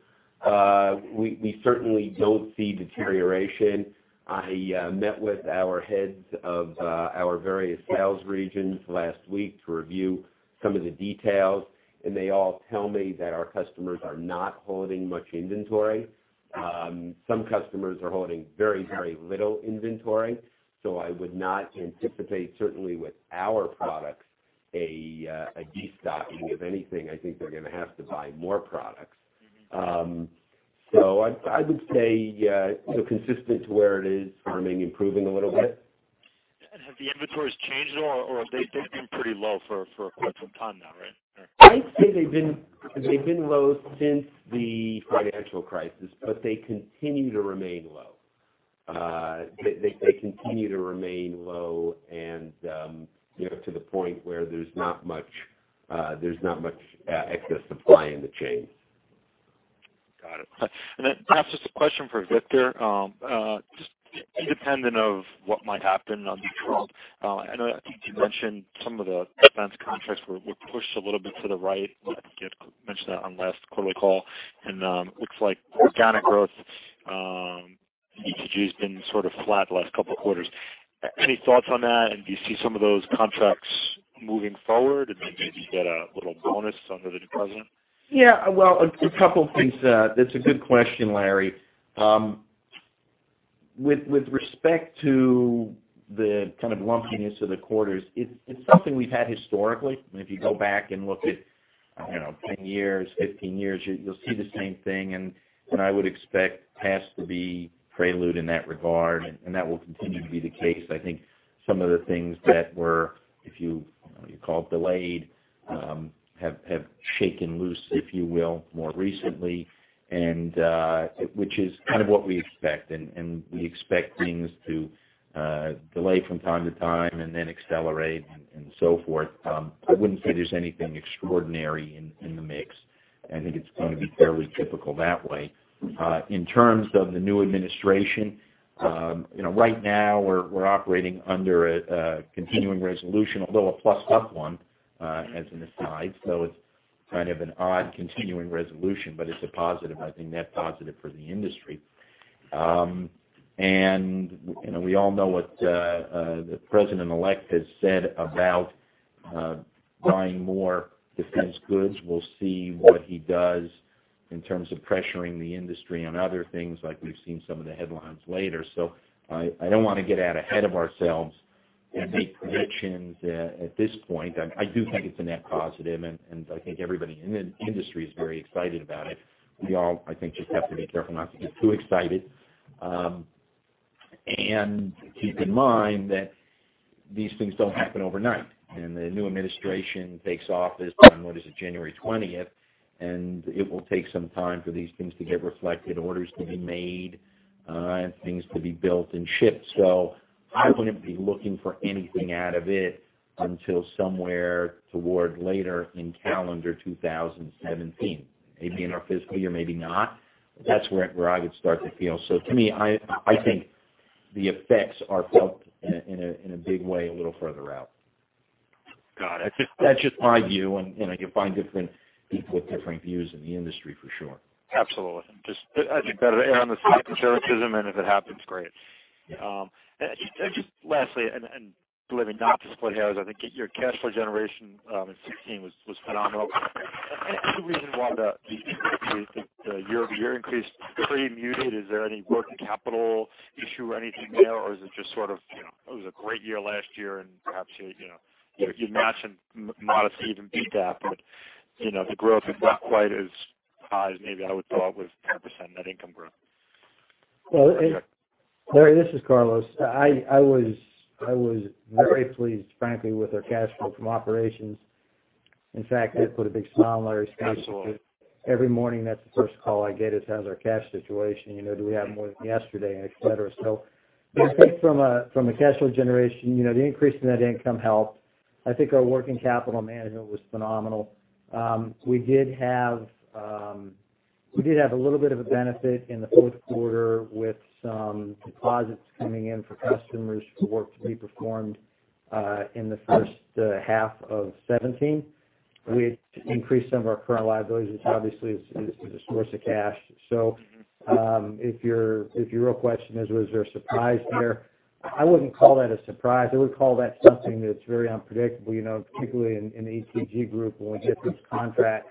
We certainly don't see deterioration. I met with our heads of our various sales regions last week to review some of the details, and they all tell me that our customers are not holding much inventory. Some customers are holding very little inventory. I would not anticipate, certainly with our products, a de-stocking. If anything, I think they're going to have to buy more products. I would say consistent to where it is, firming, improving a little bit. Have the inventories changed at all, or they've been pretty low for quite some time now, right? I'd say they've been low since the financial crisis, they continue to remain low. They continue to remain low and to the point where there's not much excess supply in the chain. Got it. Then perhaps just a question for Victor. Just independent of what might happen on the Trump. I know you mentioned some of the defense contracts were pushed a little bit to the right. You had mentioned that on last quarterly call, and looks like organic growth- ETG has been sort of flat the last couple of quarters. Any thoughts on that? Do you see some of those contracts moving forward, and maybe you get a little bonus under the new President? Yeah. Well, a couple of things. That's a good question, Larry. With respect to the kind of lumpiness of the quarters, it's something we've had historically. If you go back and look at 10 years, 15 years, you'll see the same thing. I would expect past to be prelude in that regard, and that will continue to be the case. I think some of the things that were, if you call it delayed, have shaken loose, if you will, more recently, which is kind of what we expect. We expect things to delay from time to time and then accelerate and so forth. I wouldn't say there's anything extraordinary in the mix. I think it's going to be fairly typical that way. In terms of the new administration, right now we're operating under a continuing resolution, although a plus-up one, as an aside. It's kind of an odd continuing resolution, but it's a positive. I think net positive for the industry. We all know what the President-elect has said about buying more defense goods. We'll see what he does in terms of pressuring the industry on other things, like we've seen some of the headlines later. I don't want to get out ahead of ourselves and make predictions at this point. I do think it's a net positive, and I think everybody in the industry is very excited about it. We all, I think, just have to be careful not to get too excited. Keep in mind that these things don't happen overnight. The new administration takes office on, what is it, January 20th, and it will take some time for these things to get reflected, orders to be made, and things to be built and shipped. I wouldn't be looking for anything out of it until somewhere toward later in calendar 2017. Maybe in our fiscal year, maybe not. That's where I would start to feel. To me, I think the effects are felt in a big way a little further out. Got it. That's just my view, and you'll find different people with different views in the industry for sure. Absolutely. I think better to err on the side of conservatism, and if it happens, great. Yeah. Just lastly, and really, not to split hairs, I think your cash flow generation in 2016 was phenomenal. Any reason why the year-over-year increase pretty muted? Is there any working capital issue or anything there? Is it just sort of, it was a great year last year and perhaps you match and modestly even beat that, but the growth is not quite as high as maybe I would thought with 10% net income growth. Larry, this is Carlos Macau. I was very pleased, frankly, with our cash flow from operations. In fact, it put a big smile on Larry Mendelson's face. Absolutely. Every morning that's the first call I get is, "How's our cash situation? Do we have more than yesterday?" Et cetera. I think from a cash flow generation, the increase in net income helped. I think our working capital management was phenomenal. We did have a little bit of a benefit in the fourth quarter with some deposits coming in for customers for work to be performed in the first half of 2017. We had increased some of our current liabilities, which obviously is a source of cash. If your real question is, was there a surprise there? I wouldn't call that a surprise. I would call that something that's very unpredictable, particularly in the ETG group when we get those contracts.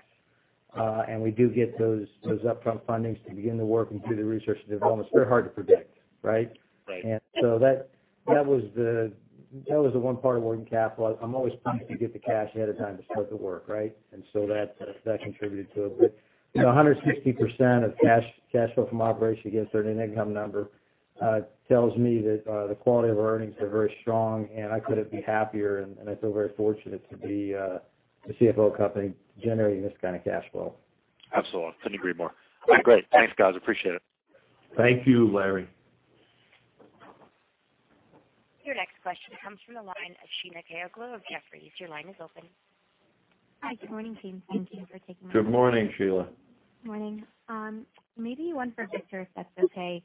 We do get those upfront fundings to begin the work and do the research and development. It's very hard to predict, right? Right. That was the one part of working capital. I'm always pleased to get the cash ahead of time to start the work, right? That contributed to it. 160% of cash flow from operations against our net income number tells me that the quality of our earnings are very strong, and I couldn't be happier, and I feel very fortunate to be a CFO of a company generating this kind of cash flow. Absolutely. Couldn't agree more. All right, great. Thanks, guys. Appreciate it. Thank you, Larry. Your next question comes from the line of Sheila Kahyaoglu of Jefferies. Your line is open. Hi. Good morning, team. Thank you for taking my call. Good morning, Sheila. Morning. Maybe one for Victor, if that's okay.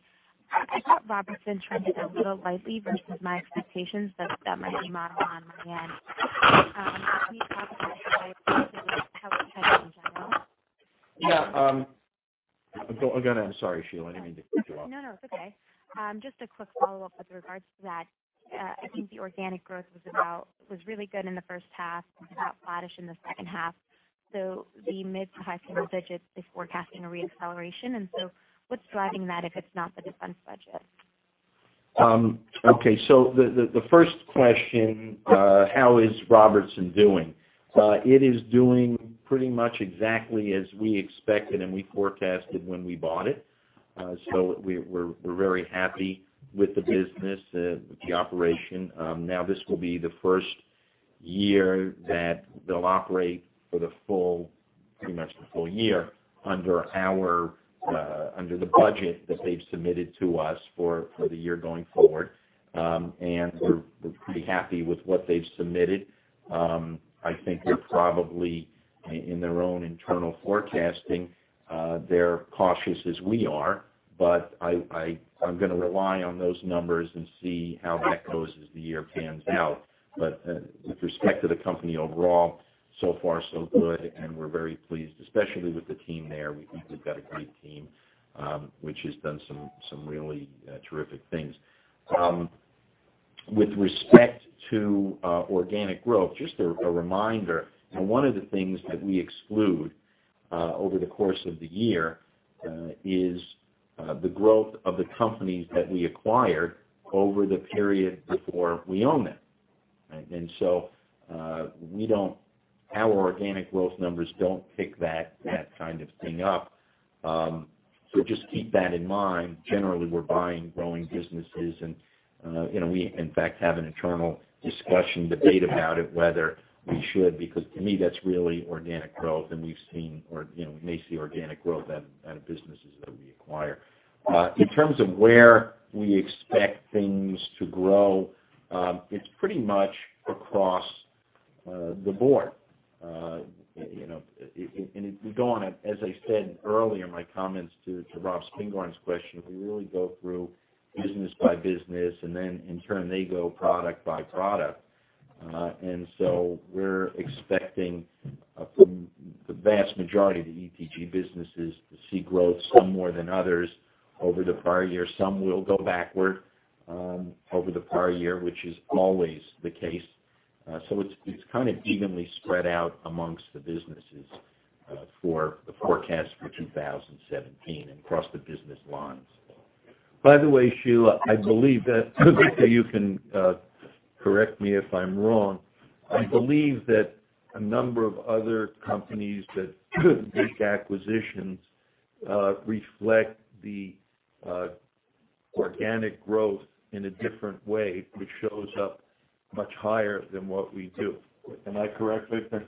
I thought Robertson trended a little lightly versus my expectations. That might be a model on my end. Can you talk about the drivers that helped the trends in general? Yeah. Again, I'm sorry, Sheila, I didn't mean to cut you off. No, it's okay. Just a quick follow-up with regards to that. I think the organic growth was really good in the first half and about flattish in the second half. The mid to high single digits is forecasting a re-acceleration. What's driving that, if it's not the defense budget? Okay. The first question, how is Robertson doing? It is doing pretty much exactly as we expected and we forecasted when we bought it. We're very happy with the business, with the operation. Now, this will be the first year that they'll operate for pretty much the full year under the budget that they've submitted to us for the year going forward. We're pretty happy with what they've submitted. I think they're probably, in their own internal forecasting, they're cautious as we are. I'm going to rely on those numbers and see how that goes as the year pans out. With respect to the company overall, so far so good, and we're very pleased, especially with the team there. We think they've got a great team, which has done some really terrific things. With respect to organic growth, just a reminder, one of the things that we exclude over the course of the year is the growth of the companies that we acquired over the period before we own them. Our organic growth numbers don't pick that kind of thing up. Just keep that in mind. Generally, we're buying growing businesses and we, in fact, have an internal discussion debate about it, whether we should, because to me, that's really organic growth, and we may see organic growth out of businesses that we acquire. In terms of where we expect things to grow, it's pretty much across the board. As I said earlier in my comments to Rob Spingarn's question, we really go through business by business, then in turn, they go product by product. We're expecting from the vast majority of the ETG businesses to see growth, some more than others, over the prior year. Some will go backward over the prior year, which is always the case. It's kind of evenly spread out amongst the businesses for the forecast for 2017 across the business lines. By the way, Sheila, I believe that, you can correct me if I'm wrong. I believe that a number of other companies that make acquisitions reflect the organic growth in a different way, which shows up much higher than what we do. Am I correct, Victor?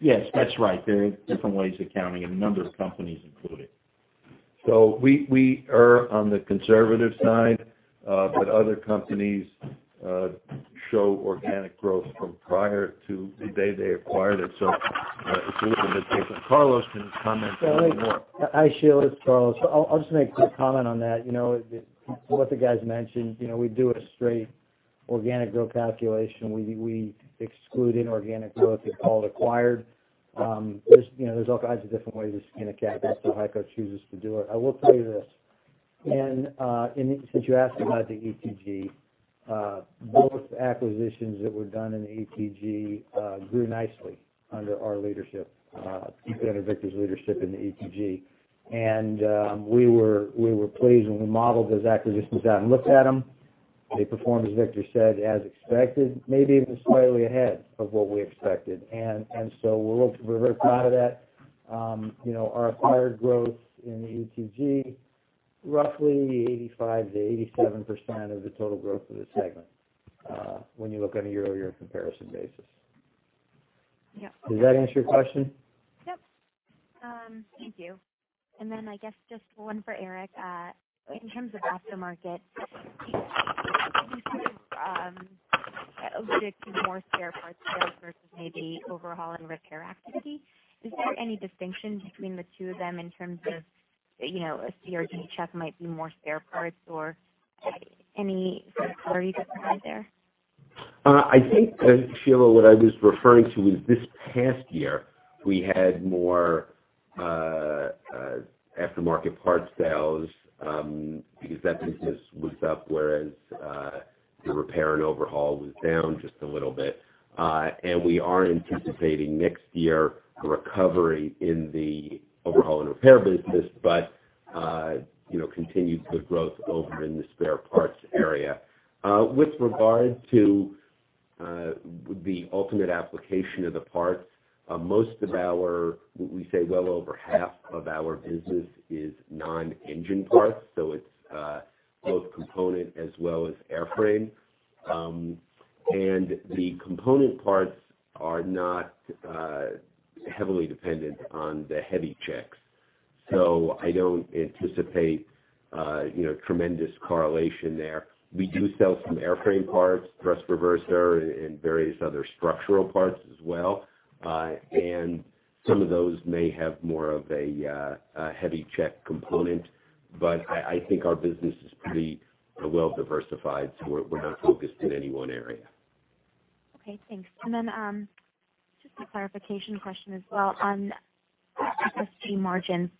Yes, that's right. There are different ways of counting, a number of companies include it. We are on the conservative side, but other companies show organic growth from prior to the day they acquired it. It's a little bit different. Carlos can comment a little more. Hi, Sheila, it's Carlos. I'll just make a quick comment on that. What the guys mentioned, we do a straight organic growth calculation. We exclude inorganic growth if at all acquired. There's all kinds of different ways to skin a cat, that's how HEICO chooses to do it. I will tell you this. Since you asked about the ETG, both acquisitions that were done in the ETG grew nicely under our leadership, under Victor's leadership in the ETG. We were pleased when we modeled those acquisitions out and looked at them. They performed, as Victor said, as expected, maybe even slightly ahead of what we expected. We're very proud of that. Our acquired growth in the ETG, roughly 85%-87% of the total growth of the segment when you look on a year-over-year comparison basis. Yeah. Does that answer your question? Yep. Thank you. I guess just one for Eric. In terms of aftermarket, you sort of alluded to more spare parts sales versus maybe overhaul and repair activity. Is there any distinction between the two of them in terms of a C check might be more spare parts or any sort of color you can provide there? I think, Sheila, what I was referring to was this past year, we had more aftermarket parts sales because that business was up, whereas the repair and overhaul was down just a little bit. We are anticipating next year a recovery in the overhaul and repair business, but continued good growth over in the spare parts area. With regard to the ultimate application of the parts, most of our, we say well over half of our business is non-engine parts, so it's both component as well as airframe. The component parts are not heavily dependent on the heavy checks. I don't anticipate tremendous correlation there. We do sell some airframe parts, thrust reverser, and various other structural parts as well. Some of those may have more of a heavy check component, but I think our business is pretty well diversified, we're not focused in any one area. Okay, thanks. Just a clarification question as well on FSG margins.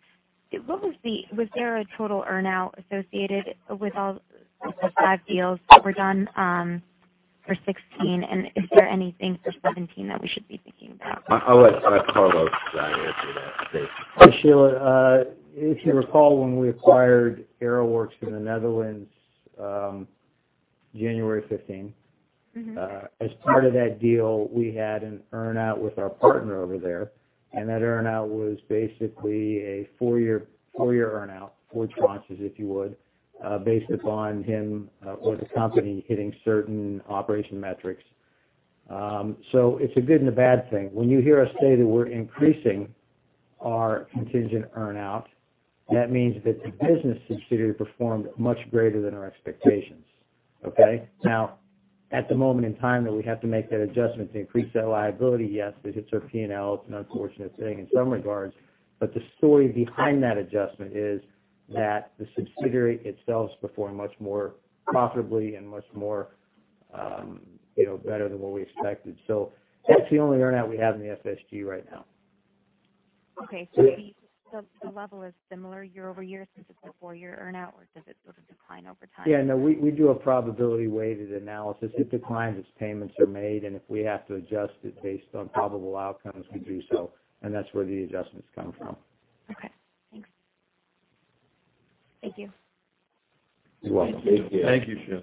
Was there a total earn-out associated with all the five deals that were done for 2016, and is there anything for 2017 that we should be thinking about? I'll let Carlos answer that. Sheila, if you recall, when we acquired Aeroworks in the Netherlands, January 2015. As part of that deal, we had an earn-out with our partner over there, and that earn-out was basically a four-year earn-out, four tranches, if you would, based upon him or the company hitting certain operation metrics. It's a good and a bad thing. When you hear us say that we're increasing our contingent earn-out, that means that the business subsidiary performed much greater than our expectations. Okay? Now, at the moment in time that we have to make that adjustment to increase that liability, yes, it hits our P&L. It's an unfortunate thing in some regards, but the story behind that adjustment is that the subsidiary itself is performing much more profitably and much more better than what we expected. That's the only earn-out we have in the FSG right now. Okay. The level is similar year-over-year since it's a four-year earn-out, or does it sort of decline over time? Yeah, no, we do a probability-weighted analysis. It declines as payments are made, and if we have to adjust it based on probable outcomes, we do so. That's where the adjustments come from. Okay, thanks. Thank you. You're welcome. Thank you. Thank you, Sheila.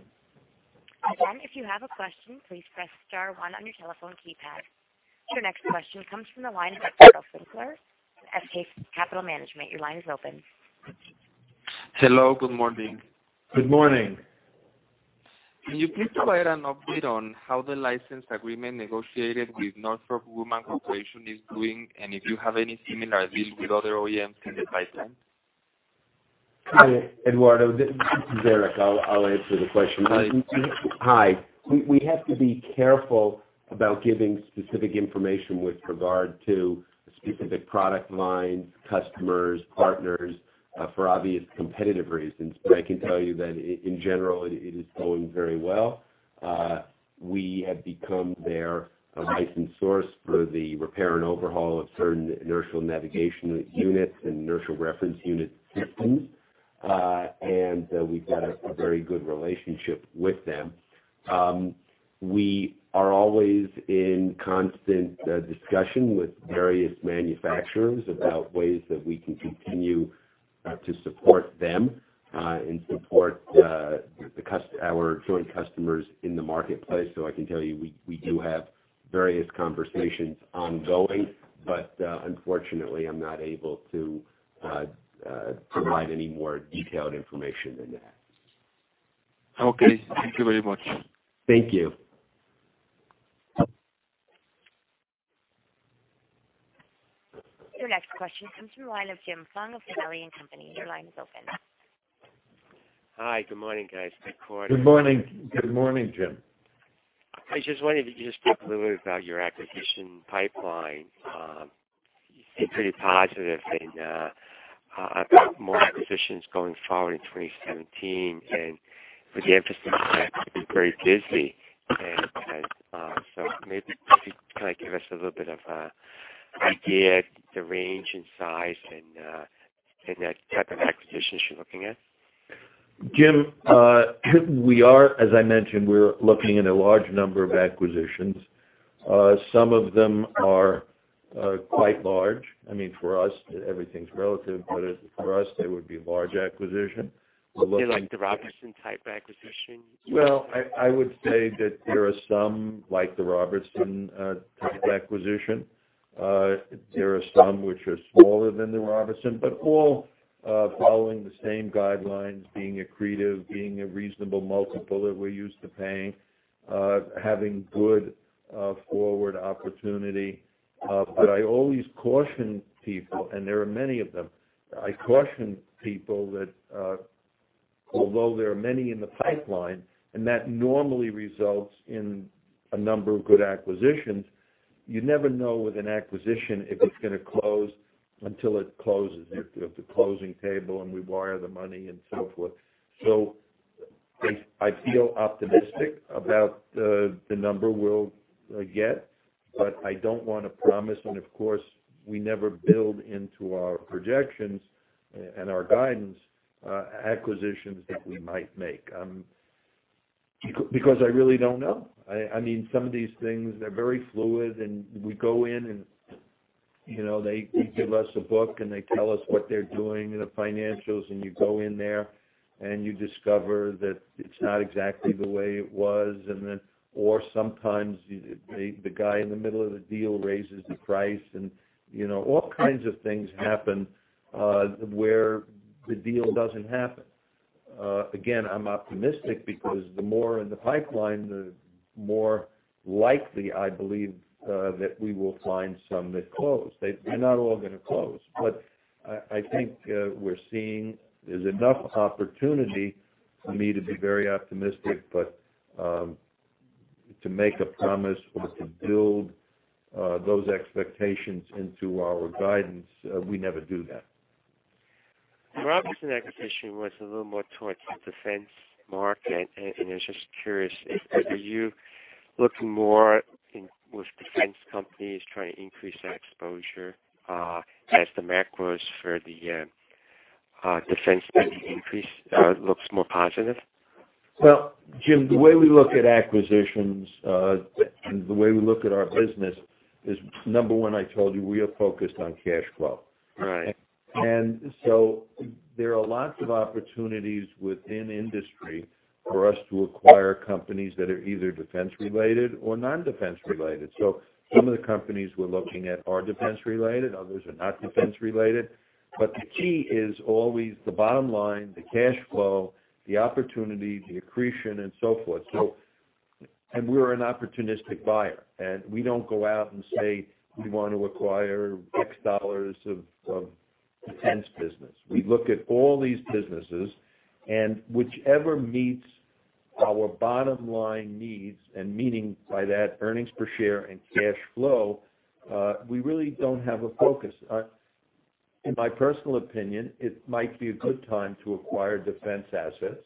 Again, if you have a question, please press star one on your telephone keypad. Your next question comes from the line of Eduardo Finkler of FK Capital Management. Your line is open. Hello. Good morning. Good morning. Can you please provide an update on how the license agreement negotiated with Northrop Grumman Corporation is doing? If you have any similar deals with other OEMs can you advise them? Hi, Eduardo. This is Eric. I'll answer the question. Hi. Hi. We have to be careful about giving specific information with regard to specific product lines, customers, partners, for obvious competitive reasons. I can tell you that in general, it is going very well. We have become their licensed source for the repair and overhaul of certain inertial navigation units and inertial reference unit systems. We've got a very good relationship with them. We are always in constant discussion with various manufacturers about ways that we can continue to support them, and support our joint customers in the marketplace. I can tell you, we do have various conversations ongoing, unfortunately, I'm not able to provide any more detailed information than that. Okay. Thank you very much. Thank you. Your next question comes from the line of Jim Fong of Janney Montgomery Scott. Your line is open. Hi. Good morning, guys. Good quarter. Good morning, Jim. I just wondered if you could just talk a little bit about your acquisition pipeline. You seem pretty positive about more acquisitions going forward in 2017 and with the emphasis on that, you've been very busy. Maybe, can you kind of give us a little bit of an idea of the range and size and that type of acquisitions you're looking at? Jim, we are, as I mentioned, we're looking at a large number of acquisitions. Some of them are quite large. I mean, for us, everything's relative, but for us, they would be large acquisitions. We're looking Maybe like the Robertson type acquisition? Well, I would say that there are some like the Robertson type acquisition. There are some which are smaller than the Robertson, but all following the same guidelines, being accretive, being a reasonable multiple that we're used to paying, having good forward opportunity. I always caution people, and there are many of them. I caution people that, although there are many in the pipeline, and that normally results in a number of good acquisitions, you never know with an acquisition if it's going to close until it closes, at the closing table and we wire the money and so forth. I feel optimistic about the number we'll get, but I don't want to promise, and of course, we never build into our projections and our guidance, acquisitions that we might make. Because I really don't know. I mean, some of these things, they're very fluid, and we go in and they give us a book, and they tell us what they're doing in the financials, and you go in there and you discover that it's not exactly the way it was. Sometimes, the guy in the middle of the deal raises the price and all kinds of things happen, where the deal doesn't happen. Again, I'm optimistic because the more in the pipeline, the more likely I believe, that we will find some that close. They're not all going to close. I think we're seeing there's enough opportunity for me to be very optimistic. To make a promise or to build those expectations into our guidance, we never do that. The Robertson acquisition was a little more towards the defense market, and I was just curious if, are you looking more with defense companies trying to increase that exposure, as the macros for the defense spending increase looks more positive? Well, Jim, the way we look at acquisitions, and the way we look at our business is number one, I told you, we are focused on cash flow. Right. There are lots of opportunities within industry for us to acquire companies that are either defense related or non-defense related. Some of the companies we're looking at are defense related, others are not defense related. The key is always the bottom line, the cash flow, the opportunity, the accretion and so forth. We're an opportunistic buyer, and we don't go out and say we want to acquire X dollars of defense business. We look at all these businesses and whichever meets our bottom line needs and meaning by that, earnings per share and cash flow, we really don't have a focus. In my personal opinion, it might be a good time to acquire defense assets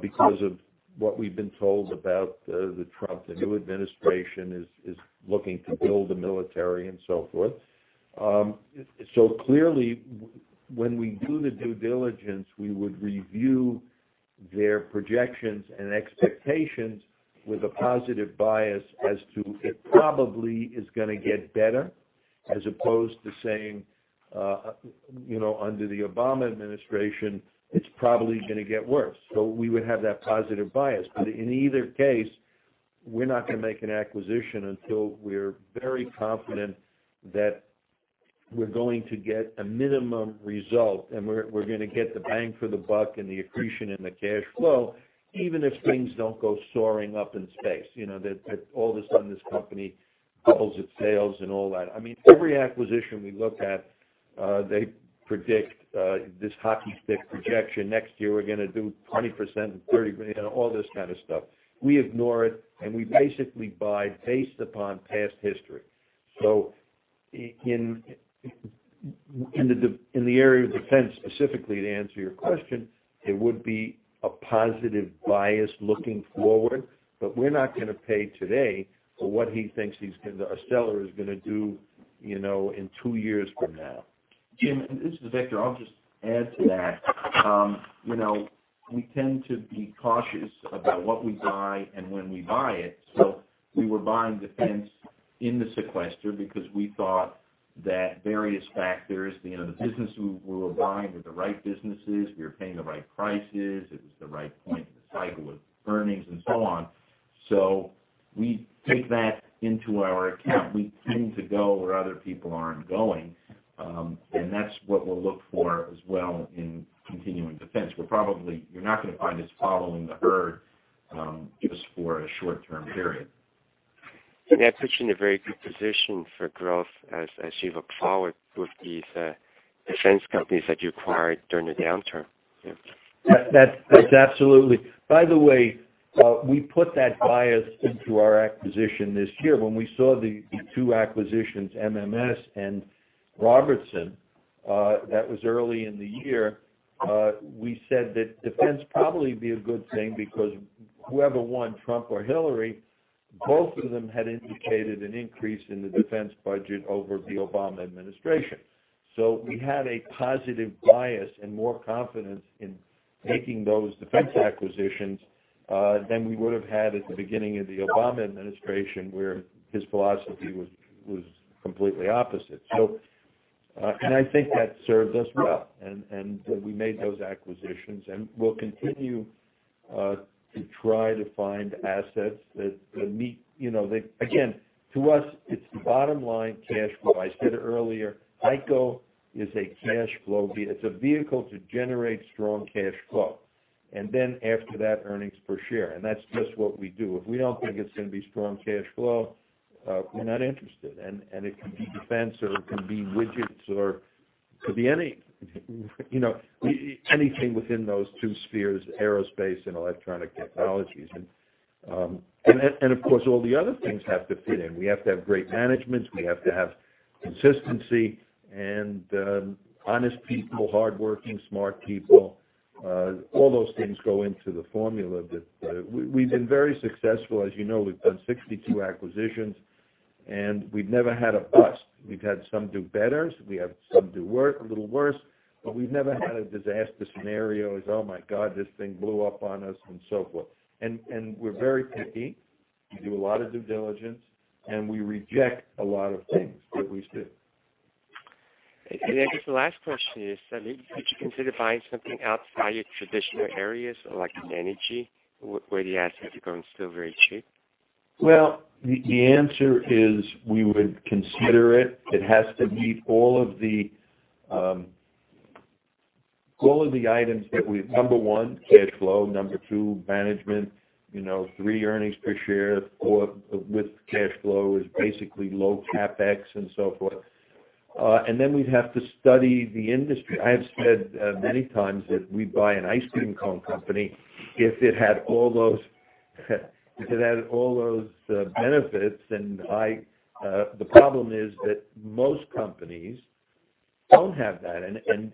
because of what we've been told about the Trump, the new administration is looking to build the military and so forth. Clearly, when we do the due diligence, we would review their projections and expectations with a positive bias as to it probably is going to get better as opposed to saying, under the Obama administration, it's probably going to get worse. We would have that positive bias, but in either case, we're not going to make an acquisition until we're very confident that we're going to get a minimum result, and we're going to get the bang for the buck and the accretion and the cash flow, even if things don't go soaring up in space. That all of a sudden this company doubles its sales and all that. Every acquisition we look at, they predict this hockey stick projection. Next year, we're going to do 20% and 30%, all this kind of stuff. We ignore it, and we basically buy based upon past history. In the area of defense specifically, to answer your question, it would be a positive bias looking forward, but we're not going to pay today for what a seller is going to do in 2 years from now. Jim, this is Victor. I'll just add to that. We tend to be cautious about what we buy and when we buy it. We were buying defense in the sequester because we thought that various factors, the business we were buying were the right businesses. We were paying the right prices. It was the right point in the cycle with earnings and so on. We take that into our account. We tend to go where other people aren't going. That's what we'll look for as well in continuing defense. You're not going to find us following the herd, just for a short-term period. That puts you in a very good position for growth as you look forward with these defense companies that you acquired during the downturn. That's absolutely. By the way, we put that bias into our acquisition this year. When we saw the 2 acquisitions, MMS and Robertson, that was early in the year, we said that defense probably would be a good thing because whoever won, Trump or Hillary, both of them had indicated an increase in the defense budget over the Obama administration. We had a positive bias and more confidence in making those defense acquisitions than we would have had at the beginning of the Obama administration, where his philosophy was completely opposite. I think that served us well, and we made those acquisitions, and we'll continue to try to find assets that meet. Again, to us, it's the bottom line, cash flow. I said earlier, HEICO is a cash flow vehicle. It's a vehicle to generate strong cash flow. Then after that, earnings per share. That's just what we do. If we don't think it's going to be strong cash flow, we're not interested. It can be defense, or it can be widgets, or it could be anything within those two spheres, aerospace and Electronic Technologies. Of course, all the other things have to fit in. We have to have great management. We have to have consistency and honest people, hardworking, smart people. All those things go into the formula. We've been very successful. As you know, we've done 62 acquisitions, and we've never had a bust. We've had some do better, we have some do a little worse, but we've never had a disaster scenario as, "Oh my God, this thing blew up on us," and so forth. We're very picky. We do a lot of due diligence, and we reject a lot of things that we see. I guess the last question is, would you consider buying something outside your traditional areas, like in energy, where the assets are going still very cheap? The answer is we would consider it. It has to meet all of the items that we Number one, cash flow. Number two, management. Three, earnings per share. Four, with cash flow, is basically low CapEx and so forth. Then we'd have to study the industry. I have said many times that we'd buy an ice cream cone company, if it had all those benefits. The problem is that most companies don't have that.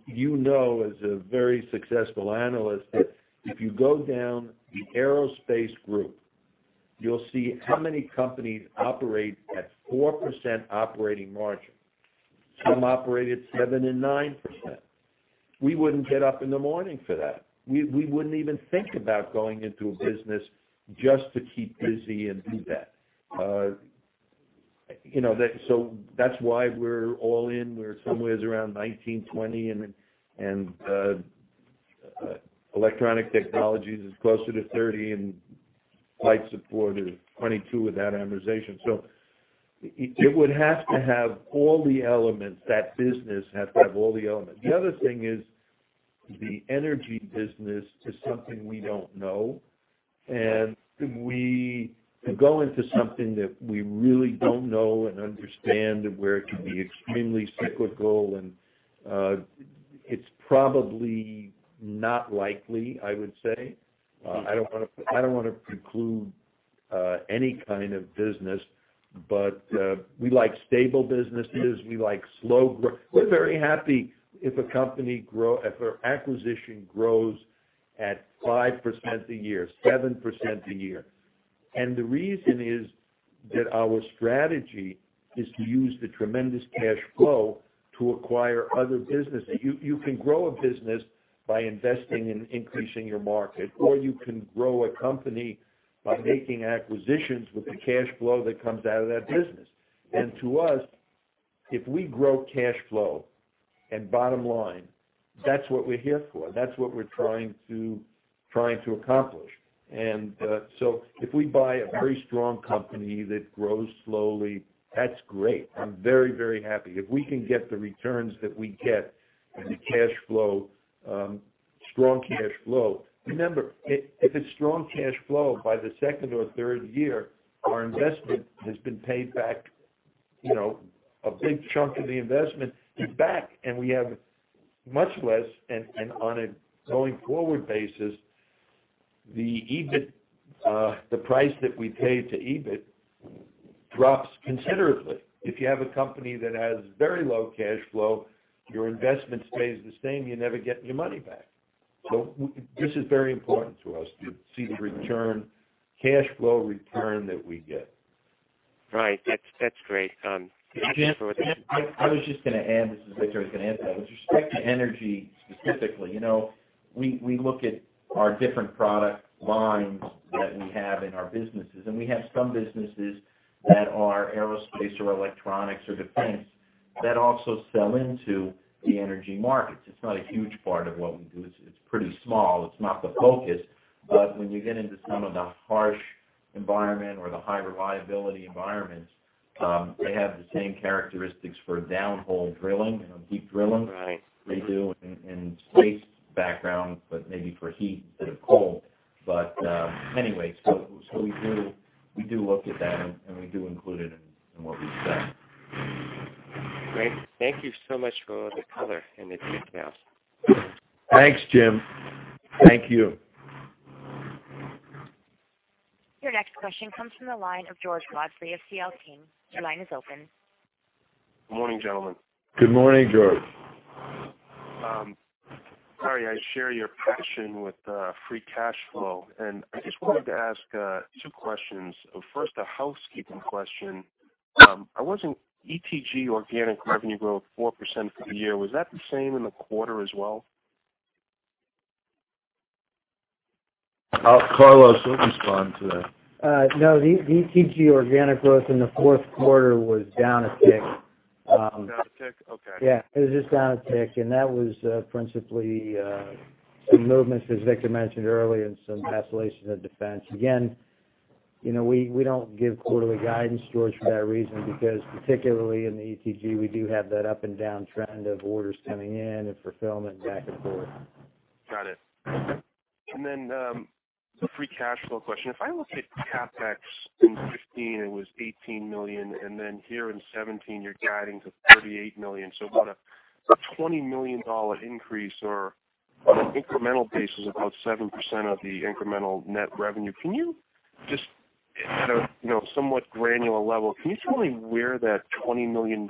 You know as a very successful analyst that if you go down the aerospace group, you'll see how many companies operate at 4% operating margin. Some operate at 7% and 9%. We wouldn't get up in the morning for that. We wouldn't even think about going into a business just to keep busy and do that. That's why we're all in. We're somewhere around 19, 20, and Electronic Technologies is closer to 30, and Flight Support is 22 without amortization. It would have to have all the elements. That business would have to have all the elements. The other thing is the energy business is something we don't know, and to go into something that we really don't know and understand, where it can be extremely cyclical, it's probably not likely, I would say. I don't want to preclude any kind of business. But we like stable businesses. We like slow growth. We're very happy if an acquisition grows at 5% a year, 7% a year. The reason is that our strategy is to use the tremendous cash flow to acquire other businesses. You can grow a business by investing in increasing your market, or you can grow a company by making acquisitions with the cash flow that comes out of that business. To us, if we grow cash flow and bottom line, that's what we're here for. That's what we're trying to accomplish. If we buy a very strong company that grows slowly, that's great. I'm very, very happy. If we can get the returns that we get and the strong cash flow. Remember, if it's strong cash flow, by the second or third year, our investment has been paid back. A big chunk of the investment is back, and we have much less, and on a going forward basis, the price that we paid to EBIT drops considerably. If you have a company that has very low cash flow, your investment stays the same. You never get your money back. This is very important to us, to see the cash flow return that we get. Right. That's great. Jim, I was just going to add, this is Victor, I was going to add to that. With respect to energy specifically, we look at our different product lines that we have in our businesses, and we have some businesses that are aerospace or electronics or defense that also sell into the energy markets. It's not a huge part of what we do. It's pretty small. It's not the focus. When you get into some of the harsh environment or the high reliability environments, they have the same characteristics for downhole drilling, deep drilling. Right. They do in space background, but maybe for heat instead of cold. Anyway, we do look at that, and we do include it in what we've said. Great. Thank you so much for all the color and the details. Thanks, Jim. Thank you. Your next question comes from the line of George Godfrey of CL King. Your line is open. Good morning, gentlemen. Good morning, George. Larry, I share your passion with free cash flow. I just wanted to ask two questions. First, a housekeeping question. I wasn't ETG organic revenue growth, 4% for the year. Was that the same in the quarter as well? Carlos will respond to that. The ETG organic growth in the fourth quarter was down a tick. Down a tick? Okay. It was just down a tick, that was principally some movements, as Victor mentioned earlier, in some escalation of defense. We don't give quarterly guidance, George, for that reason, because particularly in the ETG, we do have that up and down trend of orders coming in and fulfillment back and forth. Got it. The free cash flow question. If I look at CapEx in 2015, it was $18 million, here in 2017, you're guiding to $38 million. About a $20 million increase, or on an incremental basis, about 7% of the incremental net revenue. At a somewhat granular level, can you tell me where that $20 million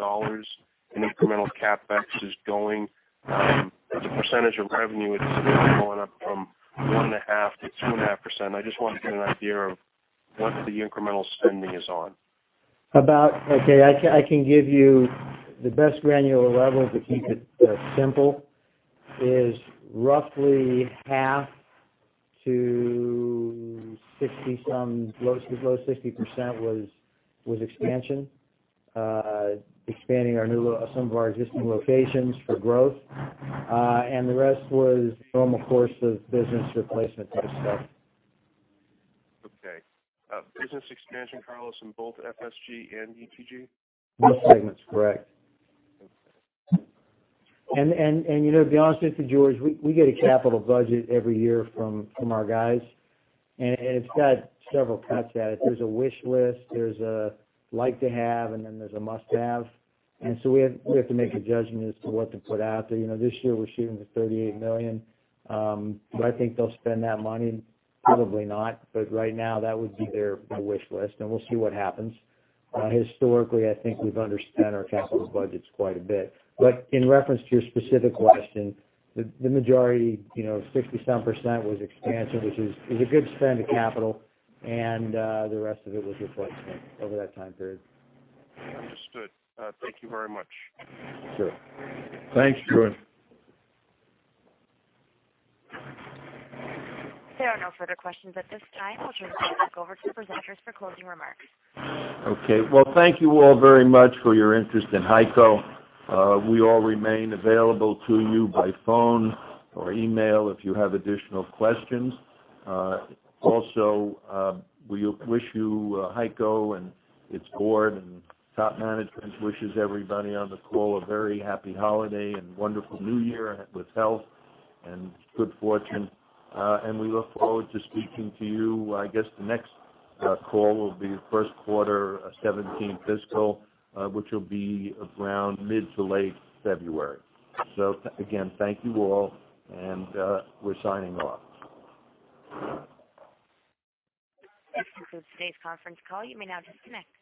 in incremental CapEx is going? As a percentage of revenue, it's going up from 1.5% to 2.5%. I just want to get an idea of what the incremental spending is on. Okay. I can give you the best granular level, to keep it simple, is roughly half to low 60% was expansion, expanding some of our existing locations for growth. The rest was normal course of business replacement type stuff. Okay. Business expansion, Carlos, in both FSG and ETG? Both segments, correct. Okay. To be honest with you, George, we get a capital budget every year from our guys, and it's had several cuts at it. There's a wish list, there's a like to have, and then there's a must-have. We have to make a judgment as to what to put out. This year we're shooting for $38 million. Do I think they'll spend that money? Probably not. Right now, that would be their wish list, and we'll see what happens. Historically, I think we've underspent our capital budgets quite a bit. In reference to your specific question, the majority, 60-some%, was expansion, which is a good spend of capital, and the rest of it was replacement over that time period. Understood. Thank you very much. Sure. Thanks, George. There are no further questions at this time. I'll turn the call back over to the presenters for closing remarks. Okay. Well, thank you all very much for your interest in HEICO. We all remain available to you by phone or email if you have additional questions. Also, we wish you, HEICO and its board and top management wishes everybody on the call a very happy holiday and wonderful new year with health and good fortune. We look forward to speaking to you, I guess the next call will be first quarter 2017 fiscal, which will be around mid to late February. Again, thank you all, and we're signing off. That's the end of today's conference call. You may now disconnect.